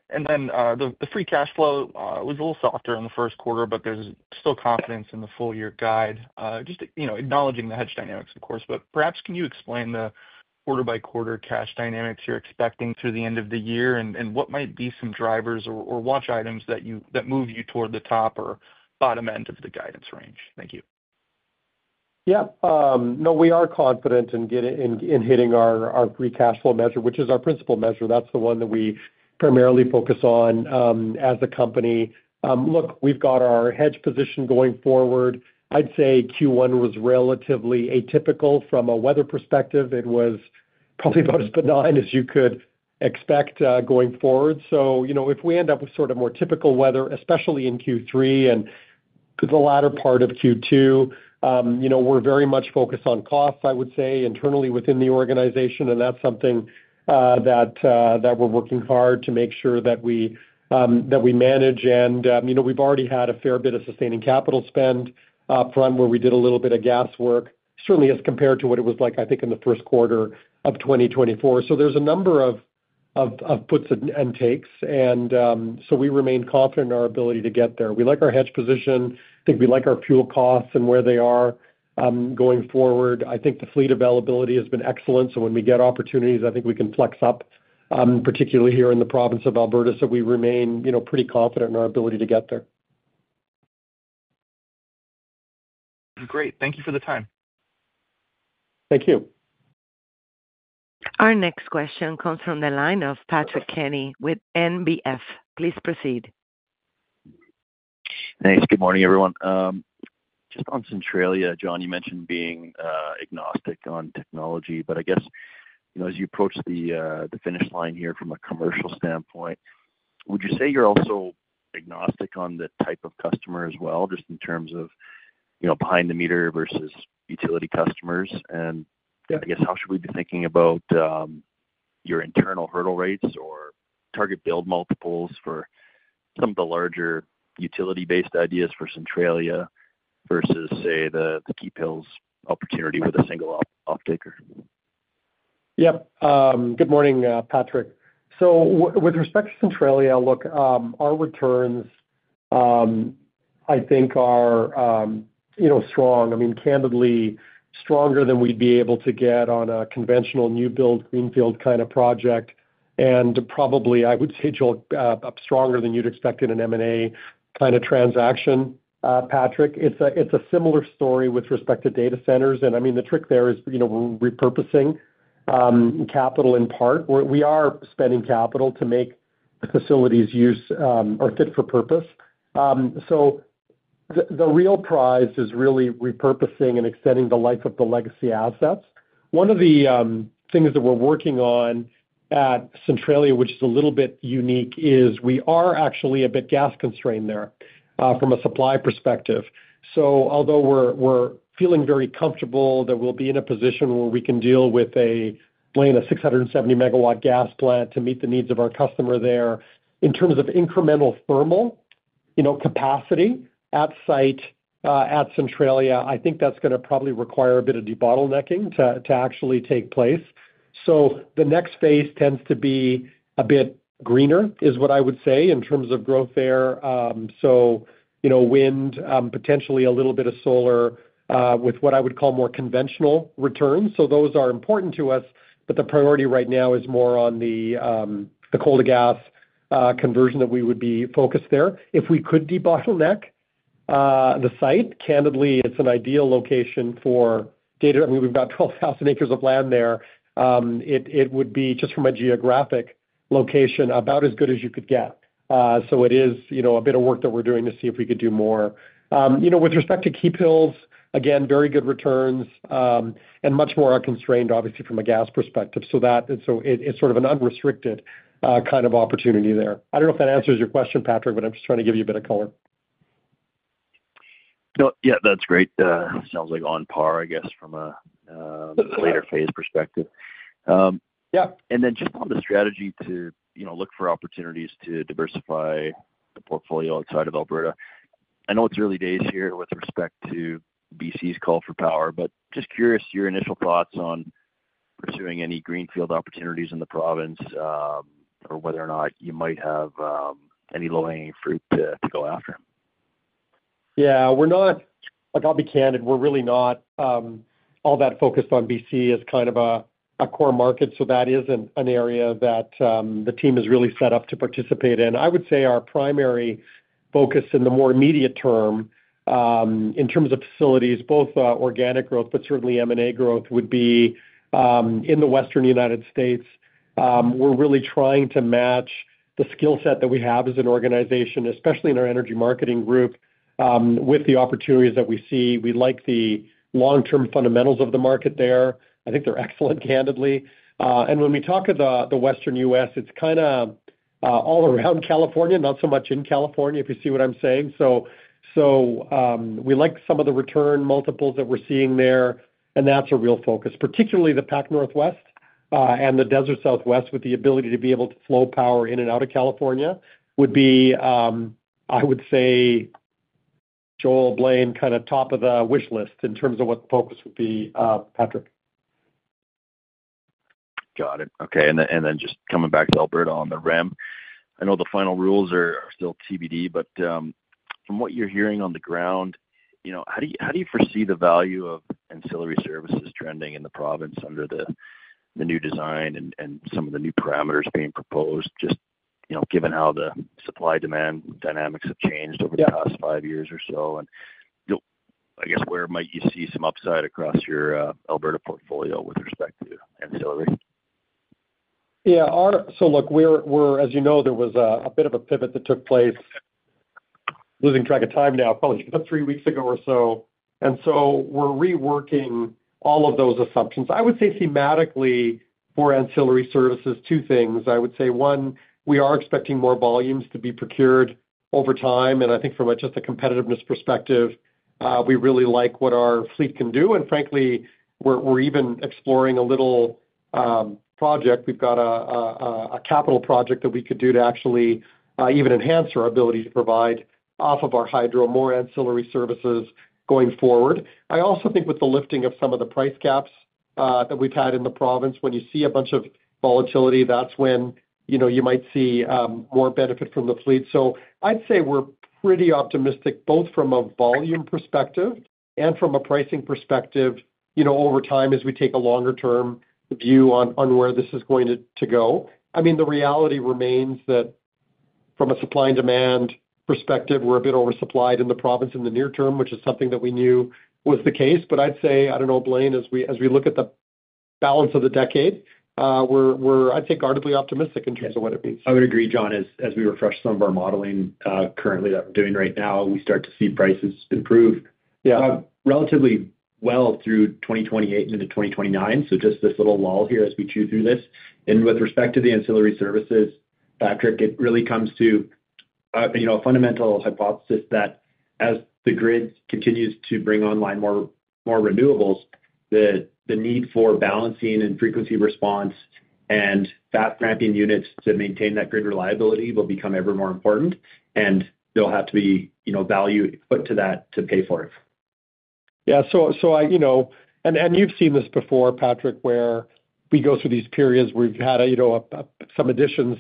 Free Cash Flow was a little softer in the first quarter, but there is still confidence in the full year guide, just acknowledging the hedge dynamics, of course. Perhaps can you explain the quarter-by-quarter cash dynamics you're expecting through the end of the year and what might be some drivers or watch items that move you toward the top or bottom end of the guidance range? Thank you. Yeah. No, we are confident in hitting our Free Cash Flow measure, which is our principal measure. That's the one that we primarily focus on as a company. Look, we've got our hedge position going forward. I'd say Q1 was relatively atypical from a weather perspective. It was probably about as benign as you could expect going forward. If we end up with sort of more typical weather, especially in Q3 and the latter part of Q2, we're very much focused on costs, I would say, internally within the organization. That's something that we're working hard to make sure that we manage. We have already had a fair bit of sustaining capital spend upfront where we did a little bit of gas work, certainly as compared to what it was like, I think, in the first quarter of 2024. There are a number of puts and takes. We remain confident in our ability to get there. We like our hedge position. I think we like our fuel costs and where they are going forward. I think the fleet availability has been excellent. When we get opportunities, I think we can flex up, particularly here in the province of Alberta. We remain pretty confident in our ability to get there. Great. Thank you for the time. Thank you. Our next question comes from the line of Patrick Kenny with NBF. Please proceed. Thanks. Good morning, everyone. Just on Centralia, John, you mentioned being agnostic on technology. I guess as you approach the finish line here from a commercial standpoint, would you say you're also agnostic on the type of customer as well, just in terms of behind-the-meter versus utility customers? I guess how should we be thinking about your internal hurdle rates or target build multiples for some of the larger utility-based ideas for Centralia versus, say, the key pills opportunity with a single off-taker? Yep. Good morning, Patrick. With respect to Centralia, look, our returns, I think, are strong. I mean, candidly, stronger than we'd be able to get on a conventional new build Greenfield kind of project. Probably, I would say, stronger than you'd expect in an M&A kind of transaction, Patrick. It's a similar story with respect to data centers. I mean, the trick there is we're repurposing capital in part. We are spending capital to make facilities use or fit for purpose. The real prize is really repurposing and extending the life of the legacy assets. One of the things that we are working on at Centralia, which is a little bit unique, is we are actually a bit gas constrained there from a supply perspective. Although we are feeling very comfortable that we will be in a position where we can deal with, Blain, a 670 MW gas plant to meet the needs of our customer there in terms of incremental thermal capacity at site at Centralia, I think that is going to probably require a bit of de-bottlenecking to actually take place. The next phase tends to be a bit greener, is what I would say, in terms of growth there. Wind, potentially a little bit of solar with what I would call more conventional returns. Those are important to us. The priority right now is more on the coal-to-gas conversion that we would be focused there. If we could de-bottleneck the site, candidly, it is an ideal location for data. I mean, we have 12,000 acres of land there. It would be, just from a geographic location, about as good as you could get. It is a bit of work that we are doing to see if we could do more. With respect to key pills, again, very good returns and much more unconstrained, obviously, from a gas perspective. It is sort of an unrestricted kind of opportunity there. I do not know if that answers your question, Patrick, but I am just trying to give you a bit of color. Yeah. That is great. Sounds like on par, I guess, from a later phase perspective. Yeah. On the strategy to look for opportunities to diversify the portfolio outside of Alberta, I know it's early days here with respect to BC's call for power, but just curious your initial thoughts on pursuing any Greenfield opportunities in the province or whether or not you might have any low-hanging fruit to go after. Yeah. I'll be candid. We're really not all that focused on BC as kind of a core market. That is an area that the team is really set up to participate in. I would say our primary focus in the more immediate term in terms of facilities, both organic growth, but certainly M&A growth, would be in the western United States. We're really trying to match the skill set that we have as an organization, especially in our energy marketing group, with the opportunities that we see. We like the long-term fundamentals of the market there. I think they're excellent, candidly. When we talk of the western U.S., it's kind of all around California, not so much in California, if you see what I'm saying. We like some of the return multiples that we're seeing there. That's a real focus, particularly the Pacific Northwest and the Desert Southwest, with the ability to be able to flow power in and out of California. I would say, Joel, Blain, kind of top of the wish list in terms of what the focus would be, Patrick. Got it. Okay. Just coming back to Alberta on the REM, I know the final rules are still TBD, but from what you're hearing on the ground, how do you foresee the value of ancillary services trending in the province under the new design and some of the new parameters being proposed, just given how the supply-demand dynamics have changed over the past five years or so? I guess where might you see some upside across your Alberta portfolio with respect to ancillary? Yeah. Look, as you know, there was a bit of a pivot that took place. Losing track of time now, probably about three weeks ago or so. We're reworking all of those assumptions. I would say thematically for ancillary services, two things. One, we are expecting more volumes to be procured over time. I think from just a competitiveness perspective, we really like what our fleet can do. Frankly, we're even exploring a little project. We've got a capital project that we could do to actually even enhance our ability to provide off of our hydro more ancillary services going forward. I also think with the lifting of some of the price caps that we've had in the province, when you see a bunch of volatility, that's when you might see more benefit from the fleet. I'd say we're pretty optimistic both from a volume perspective and from a pricing perspective over time as we take a longer-term view on where this is going to go. I mean, the reality remains that from a supply-demand perspective, we're a bit oversupplied in the province in the near term, which is something that we knew was the case. I would say, I do not know, Blain, as we look at the balance of the decade, we are, I would say, guardedly optimistic in terms of what it means. I would agree, John, as we refresh some of our modeling currently that we are doing right now, we start to see prices improve relatively well through 2028 and into 2029. There is just this little lull here as we chew through this. With respect to the ancillary services, Patrick, it really comes to a fundamental hypothesis that as the grid continues to bring online more renewables, the need for balancing and frequency response and fast-ramping units to maintain that grid reliability will become ever more important. There will have to be value put to that to pay for it. Yeah. You've seen this before, Patrick, where we go through these periods where we've had some additions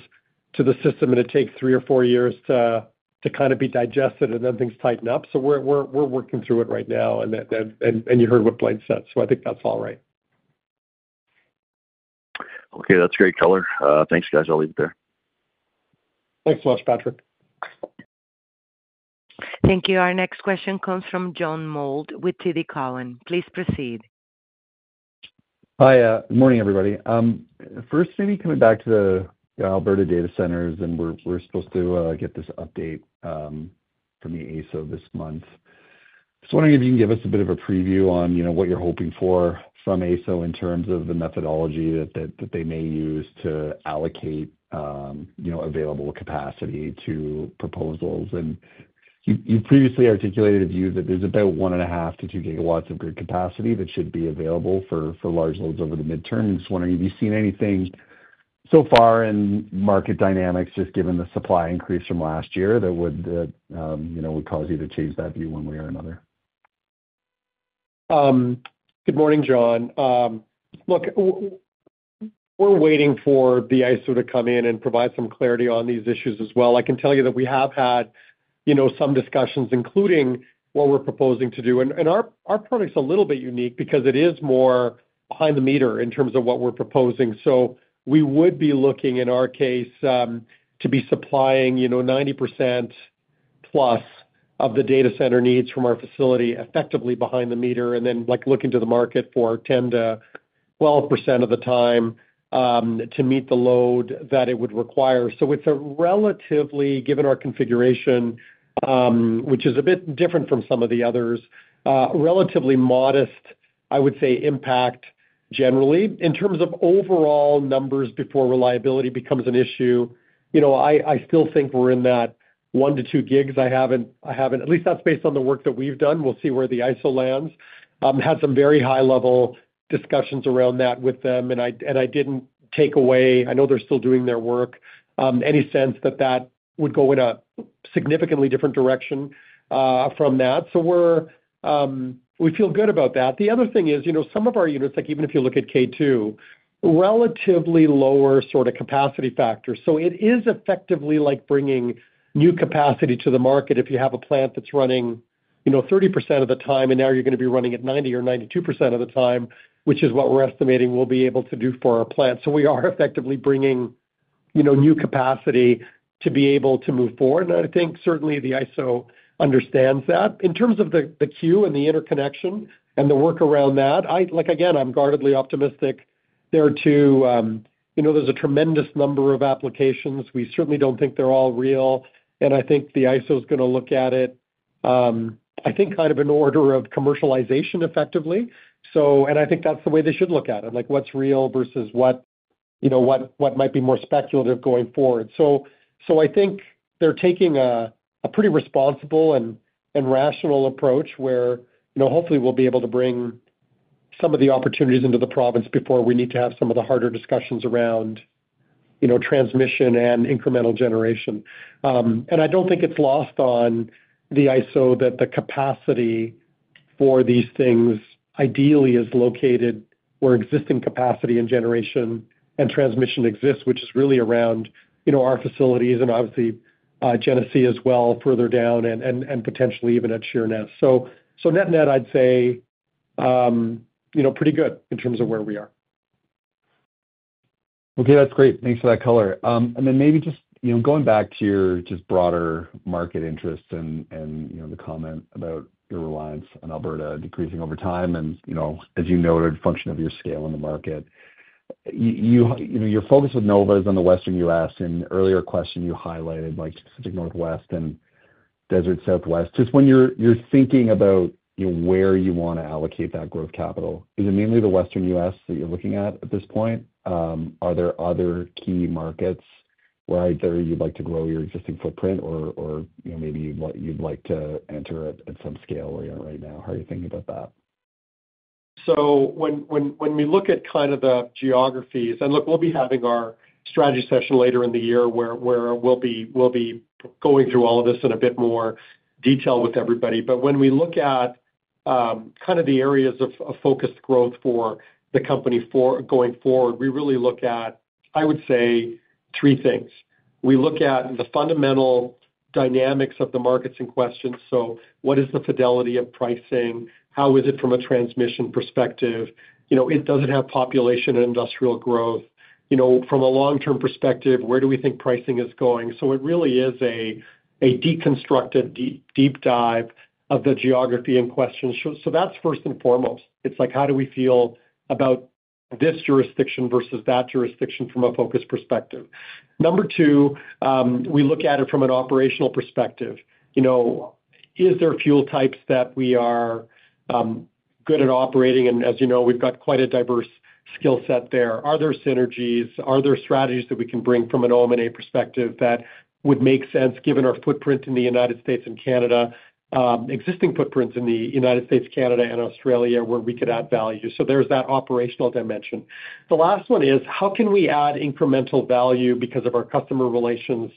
to the system, and it takes three or four years to kind of be digested, and then things tighten up. We're working through it right now. You heard what Blain said. I think that's all right. Okay. That's great color. Thanks, guys. I'll leave it there. Thanks so much, Patrick. Thank you. Our next question comes from John Mould with TD Cowen. Please proceed. Hi. Good morning, everybody. First, maybe coming back to the Alberta data centers, and we're supposed to get this update from the AESO this month. Just wondering if you can give us a bit of a preview on what you're hoping for from AESO in terms of the methodology that they may use to allocate available capacity to proposals. You previously articulated a view that there is about 1.5 GW-2 GW of grid capacity that should be available for large loads over the midterm. Just wondering, have you seen anything so far in market dynamics, just given the supply increase from last year, that would cause you to change that view one way or another? Good morning, John. Look, we are waiting for the AESO to come in and provide some clarity on these issues as well. I can tell you that we have had some discussions, including what we are proposing to do. Our product is a little bit unique because it is more behind the meter in terms of what we are proposing. We would be looking, in our case, to be supplying 90% plus of the data center needs from our facility effectively behind the meter and then looking to the market for 10%-12% of the time to meet the load that it would require. It is a relatively, given our configuration, which is a bit different from some of the others, relatively modest, I would say, impact generally. In terms of overall numbers before reliability becomes an issue, I still think we are in that one to two gigs. I have not—at least that is based on the work that we have done. We will see where the AESO lands. Had some very high-level discussions around that with them. I did not take away—I know they are still doing their work—any sense that that would go in a significantly different direction from that. We feel good about that. The other thing is some of our units, even if you look at K2, relatively lower sort of capacity factor. It is effectively like bringing new capacity to the market if you have a plant that's running 30% of the time, and now you're going to be running at 90% or 92% of the time, which is what we're estimating we'll be able to do for our plant. We are effectively bringing new capacity to be able to move forward. I think certainly the AESO understands that. In terms of the queue and the interconnection and the work around that, again, I'm guardedly optimistic there too. There's a tremendous number of applications. We certainly don't think they're all real. I think the AESO's going to look at it, I think, kind of in order of commercialization effectively. I think that's the way they should look at it, like what's real versus what might be more speculative going forward. I think they're taking a pretty responsible and rational approach where hopefully we'll be able to bring some of the opportunities into the province before we need to have some of the harder discussions around transmission and incremental generation. I don't think it's lost on the AESO that the capacity for these things ideally is located where existing capacity and generation and transmission exists, which is really around our facilities and obviously Genesee as well further down and potentially even at Sheerness. Net-net, I'd say pretty good in terms of where we are. Okay. That's great. Thanks for that color. Maybe just going back to your broader market interests and the comment about your reliance on Alberta decreasing over time and, as you noted, function of your scale in the market, your focus with Nova is on the western U.S. An earlier question, you highlighted Pacific Northwest and Desert Southwest. Just when you're thinking about where you want to allocate that growth capital, is it mainly the western U.S. that you're looking at at this point? Are there other key markets where either you'd like to grow your existing footprint or maybe you'd like to enter at some scale where you're at right now? How are you thinking about that? When we look at kind of the geographies—look, we'll be having our strategy session later in the year where we'll be going through all of this in a bit more detail with everybody—but when we look at kind of the areas of focused growth for the company going forward, we really look at, I would say, three things. We look at the fundamental dynamics of the markets in question. What is the fidelity of pricing? How is it from a transmission perspective? Does it have population and industrial growth? From a long-term perspective, where do we think pricing is going? It really is a deconstructed deep dive of the geography in question. That is first and foremost. It is like, how do we feel about this jurisdiction versus that jurisdiction from a focus perspective? Number two, we look at it from an operational perspective. Is there fuel types that we are good at operating? As you know, we've got quite a diverse skill set there. Are there synergies? Are there strategies that we can bring from an M&A perspective that would make sense given our footprint in the United States and Canada, existing footprints in the United States, Canada, and Australia where we could add value? There is that operational dimension. The last one is, how can we add incremental value because of our customer relationships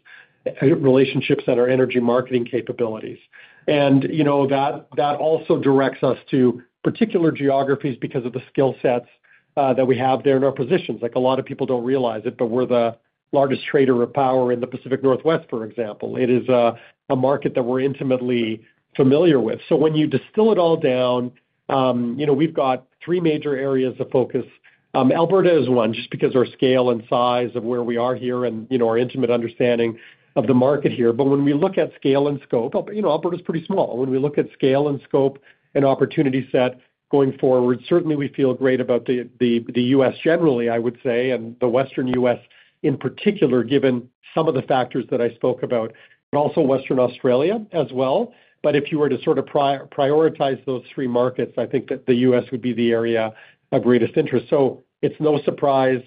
and our energy marketing capabilities? That also directs us to particular geographies because of the skill sets that we have there in our positions. A lot of people do not realize it, but we are the largest trader of power in the Pacific Northwest, for example. It is a market that we are intimately familiar with. When you distill it all down, we've got three major areas of focus. Alberta is one just because of our scale and size of where we are here and our intimate understanding of the market here. When we look at scale and scope, Alberta is pretty small. When we look at scale and scope and opportunity set going forward, certainly we feel great about the U.S. generally, I would say, and the western U.S. in particular, given some of the factors that I spoke about, but also Western Australia as well. If you were to sort of prioritize those three markets, I think that the U.S. would be the area of greatest interest. It is no surprise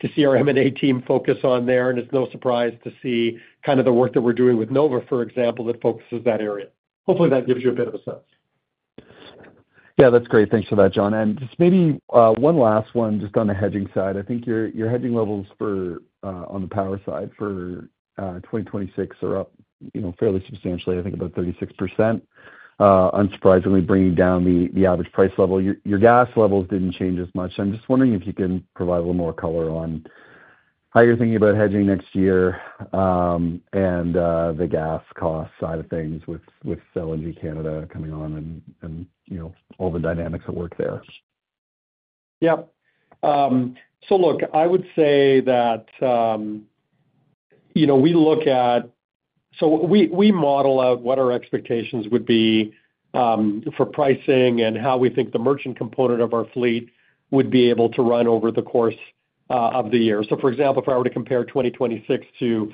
to see our M&A team focus on there. It is no surprise to see kind of the work that we're doing with Nova, for example, that focuses that area. Hopefully, that gives you a bit of a sense. Yeah. That's great. Thanks for that, John. Just maybe one last one on the hedging side. I think your hedging levels on the power side for 2026 are up fairly substantially, I think about 36%, unsurprisingly bringing down the average price level. Your gas levels did not change as much. I'm just wondering if you can provide a little more color on how you're thinking about hedging next year and the gas cost side of things with LNG Canada coming on and all the dynamics at work there. Yep. I would say that we look at—we model out what our expectations would be for pricing and how we think the merchant component of our fleet would be able to run over the course of the year. For example, if I were to compare 2026 to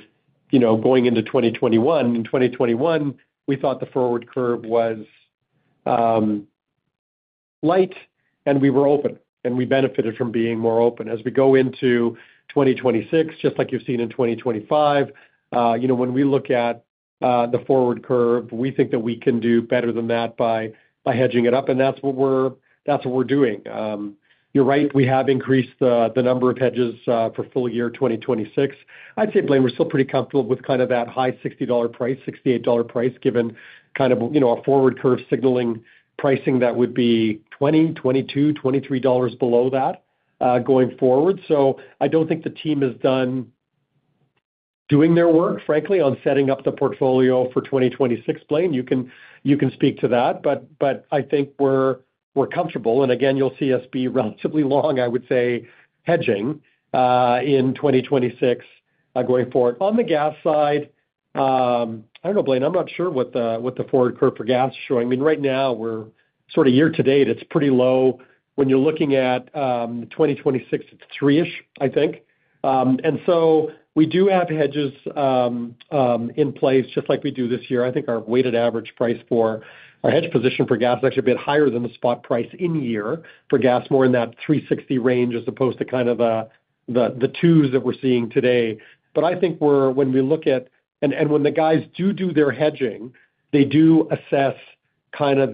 going into 2021, in 2021, we thought the forward curve was light, and we were open, and we benefited from being more open. As we go into 2026, just like you have seen in 2025, when we look at the forward curve, we think that we can do better than that by hedging it up. That is what we are doing. You are right. We have increased the number of hedges for full year 2026. I would say, Blain, we are still pretty comfortable with kind of that high 60 dollar price, 68 dollar price, given kind of a forward curve signaling pricing that would be 20, 22, 23 dollars below that going forward. I do not think the team has finished doing their work, frankly, on setting up the portfolio for 2026. Blain, you can speak to that. I think we are comfortable. You'll see us be relatively long, I would say, hedging in 2026 going forward. On the gas side, I don't know, Blain. I'm not sure what the forward curve for gas is showing. I mean, right now, we're sort of year-to-date. It's pretty low. When you're looking at 2026, it's three-ish, I think. We do have hedges in place, just like we do this year. I think our weighted average price for our hedge position for gas is actually a bit higher than the spot price in year for gas, more in that 3.60 range as opposed to kind of the twos that we're seeing today. I think when we look at—and when the guys do do their hedging, they do assess kind of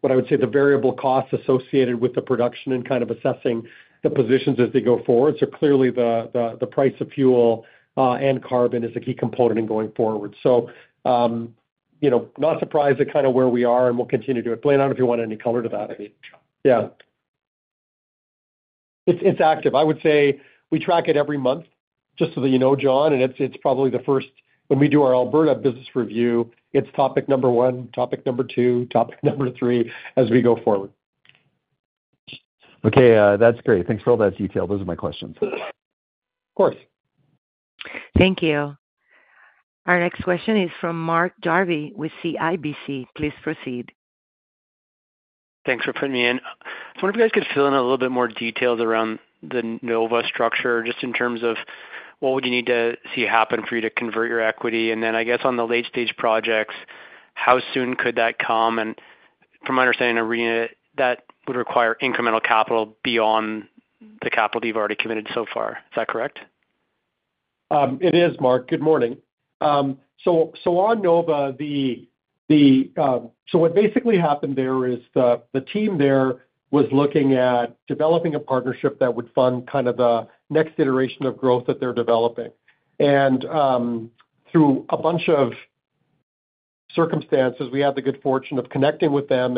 what I would say the variable costs associated with the production and kind of assessing the positions as they go forward. Clearly, the price of fuel and carbon is a key component in going forward. Not surprised at kind of where we are, and we'll continue to do it. Blain, I do not know if you want any color to that. Yeah. It's active. I would say we track it every month, just so that you know, John. It's probably the first—when we do our Alberta business review, it's topic number one, topic number two, topic number three as we go forward. Okay. That's great. Thanks for all that detail. Those are my questions. Of course. Thank you. Our next question is from Mark Jarvi with CIBC. Please proceed. Thanks for putting me in. I wonder if you guys could fill in a little bit more details around the Nova structure just in terms of what would you need to see happen for you to convert your equity. I guess on the late-stage projects, how soon could that come? From my understanding, I'm reading that would require incremental capital beyond the capital you've already committed so far. Is that correct? It is, Mark. Good morning. On Nova, what basically happened there is the team was looking at developing a partnership that would fund the next iteration of growth that they're developing. Through a bunch of circumstances, we had the good fortune of connecting with them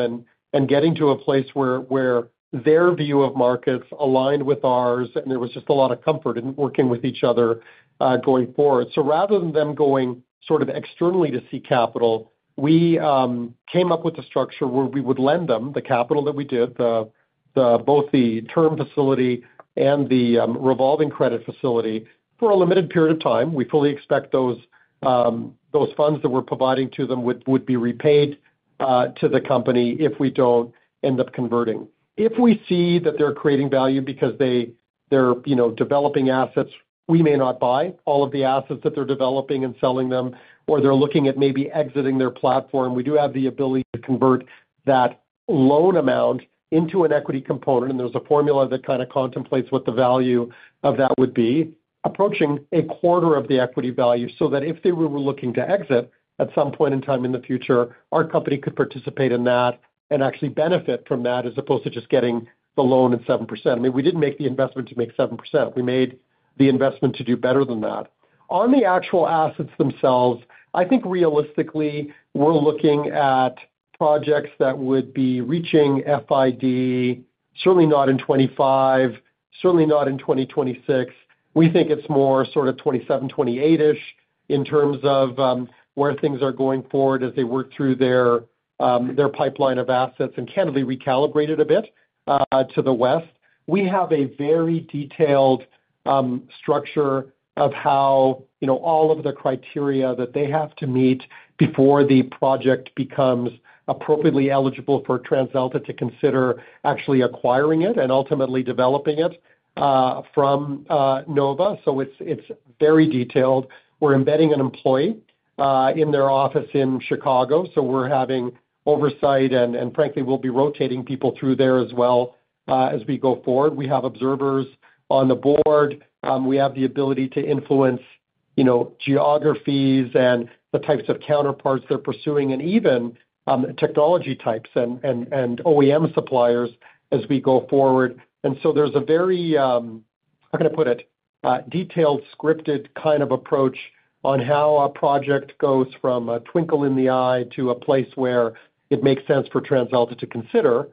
and getting to a place where their view of markets aligned with ours. There was just a lot of comfort in working with each other going forward. Rather than them going sort of externally to seek capital, we came up with a structure where we would lend them the capital that we did, both the term facility and the revolving credit facility for a limited period of time. We fully expect those funds that we're providing to them would be repaid to the company if we do not end up converting. If we see that they're creating value because they're developing assets, we may not buy all of the assets that they're developing and selling them, or they're looking at maybe exiting their platform. We do have the ability to convert that loan amount into an equity component. There is a formula that kind of contemplates what the value of that would be, approaching a quarter of the equity value so that if they were looking to exit at some point in time in the future, our company could participate in that and actually benefit from that as opposed to just getting the loan at 7%. I mean, we did not make the investment to make 7%. We made the investment to do better than that. On the actual assets themselves, I think realistically, we are looking at projects that would be reaching FID, certainly not in 2025, certainly not in 2026. We think it is more sort of 2027, 2028-ish in terms of where things are going forward as they work through their pipeline of assets and candidly recalibrate it a bit to the west. We have a very detailed structure of how all of the criteria that they have to meet before the project becomes appropriately eligible for TransAlta to consider actually acquiring it and ultimately developing it from Nova. It is very detailed. We are embedding an employee in their office in Chicago. We are having oversight. Frankly, we will be rotating people through there as well as we go forward. We have observers on the board. We have the ability to influence geographies and the types of counterparts they are pursuing and even technology types and OEM suppliers as we go forward. There is a very—how can I put it?—detailed, scripted kind of approach on how a project goes from a twinkle in the eye to a place where it makes sense for TransAlta to consider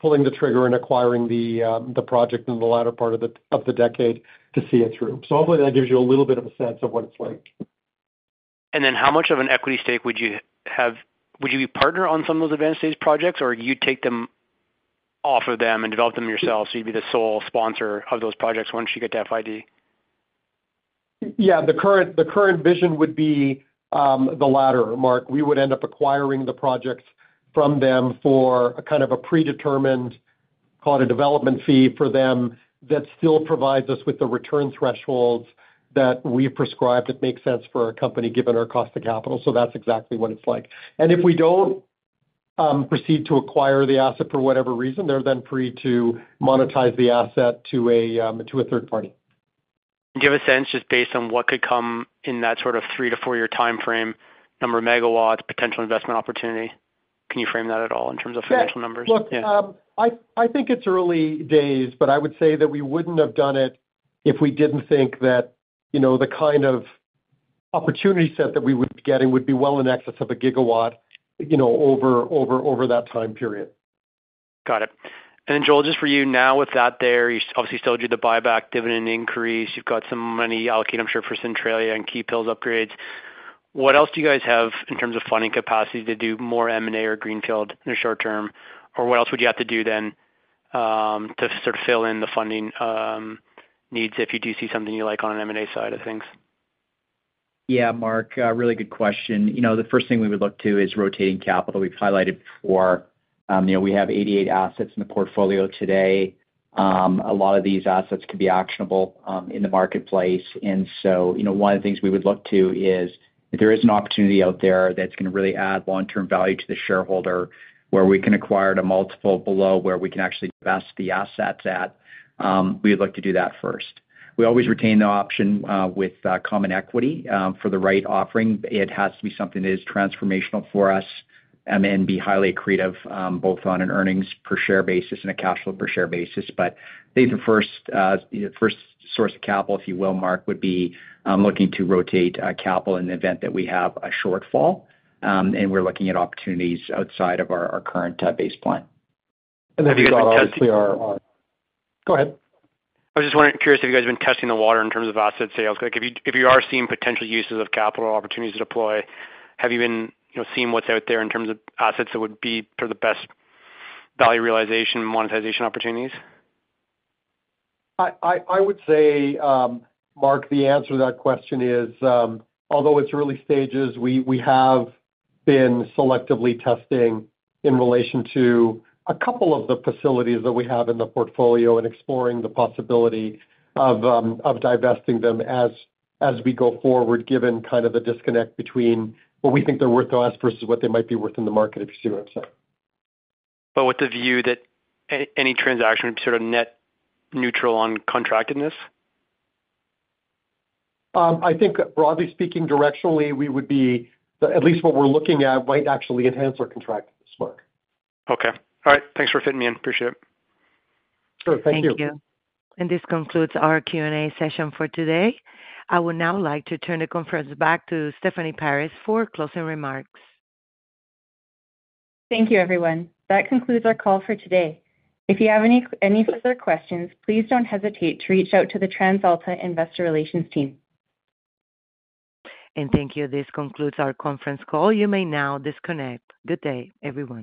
pulling the trigger and acquiring the project in the latter part of the decade to see it through. Hopefully, that gives you a little bit of a sense of what it is like. How much of an equity stake would you have? Would you be partnered on some of those advanced stage projects, or would you take them off of them and develop them yourself? You would be the sole sponsor of those projects once you get to FID? Yeah. The current vision would be the latter, Mark. We would end up acquiring the projects from them for kind of a predetermined, call it a development fee for them that still provides us with the return thresholds that we've prescribed that make sense for our company given our cost of capital. That is exactly what it is like. If we do not proceed to acquire the asset for whatever reason, they are then free to monetize the asset to a third party. Do you have a sense just based on what could come in that sort of three to four-year timeframe, number of megawatts, potential investment opportunity? Can you frame that at all in terms of financial numbers? Yeah. I think it's early days, but I would say that we wouldn't have done it if we didn't think that the kind of opportunity set that we would be getting would be well in excess of a gigawatt over that time period. Got it. Then Joel, just for you now with that there, you obviously sold, you did the buyback, dividend increase. You've got some money allocated, I'm sure, for Centralia and Keephills upgrades. What else do you guys have in terms of funding capacity to do more M&A or greenfield in the short term? What else would you have to do then to sort of fill in the funding needs if you do see something you like on an M&A side of things? Yeah, Mark. Really good question. The first thing we would look to is rotating capital. We've highlighted before. We have 88 assets in the portfolio today. A lot of these assets could be actionable in the marketplace. One of the things we would look to is if there is an opportunity out there that is going to really add long-term value to the shareholder where we can acquire to multiple below where we can actually invest the assets at, we would look to do that first. We always retain the option with common equity for the right offering. It has to be something that is transformational for us and be highly accretive both on an earnings per share basis and a cash flow per share basis. I think the first source of capital, if you will, Mark, would be looking to rotate capital in the event that we have a shortfall. We are looking at opportunities outside of our current base plan. Obviously, our—go ahead. I was just curious if you guys have been testing the water in terms of asset sales. If you are seeing potential uses of capital opportunities to deploy, have you been seeing what's out there in terms of assets that would be for the best value realization and monetization opportunities? I would say, Mark, the answer to that question is, although it's early stages, we have been selectively testing in relation to a couple of the facilities that we have in the portfolio and exploring the possibility of divesting them as we go forward, given kind of the disconnect between what we think they're worth to us versus what they might be worth in the market, if you see what I'm saying. With the view that any transaction would be sort of net neutral on contractedness? I think, broadly speaking, directionally, we would be—at least what we're looking at might actually enhance our contractedness, Mark. Okay. All right. Thanks for fitting me in. Appreciate it. Sure. Thank you. Thank you. This concludes our Q&A session for today. I would now like to turn the conference back to Stephanie Paris for closing remarks. Thank you, everyone. That concludes our call for today. If you have any further questions, please do not hesitate to reach out to the TransAlta investor relations team. Thank you. This concludes our conference call. You may now disconnect. Good day, everyone.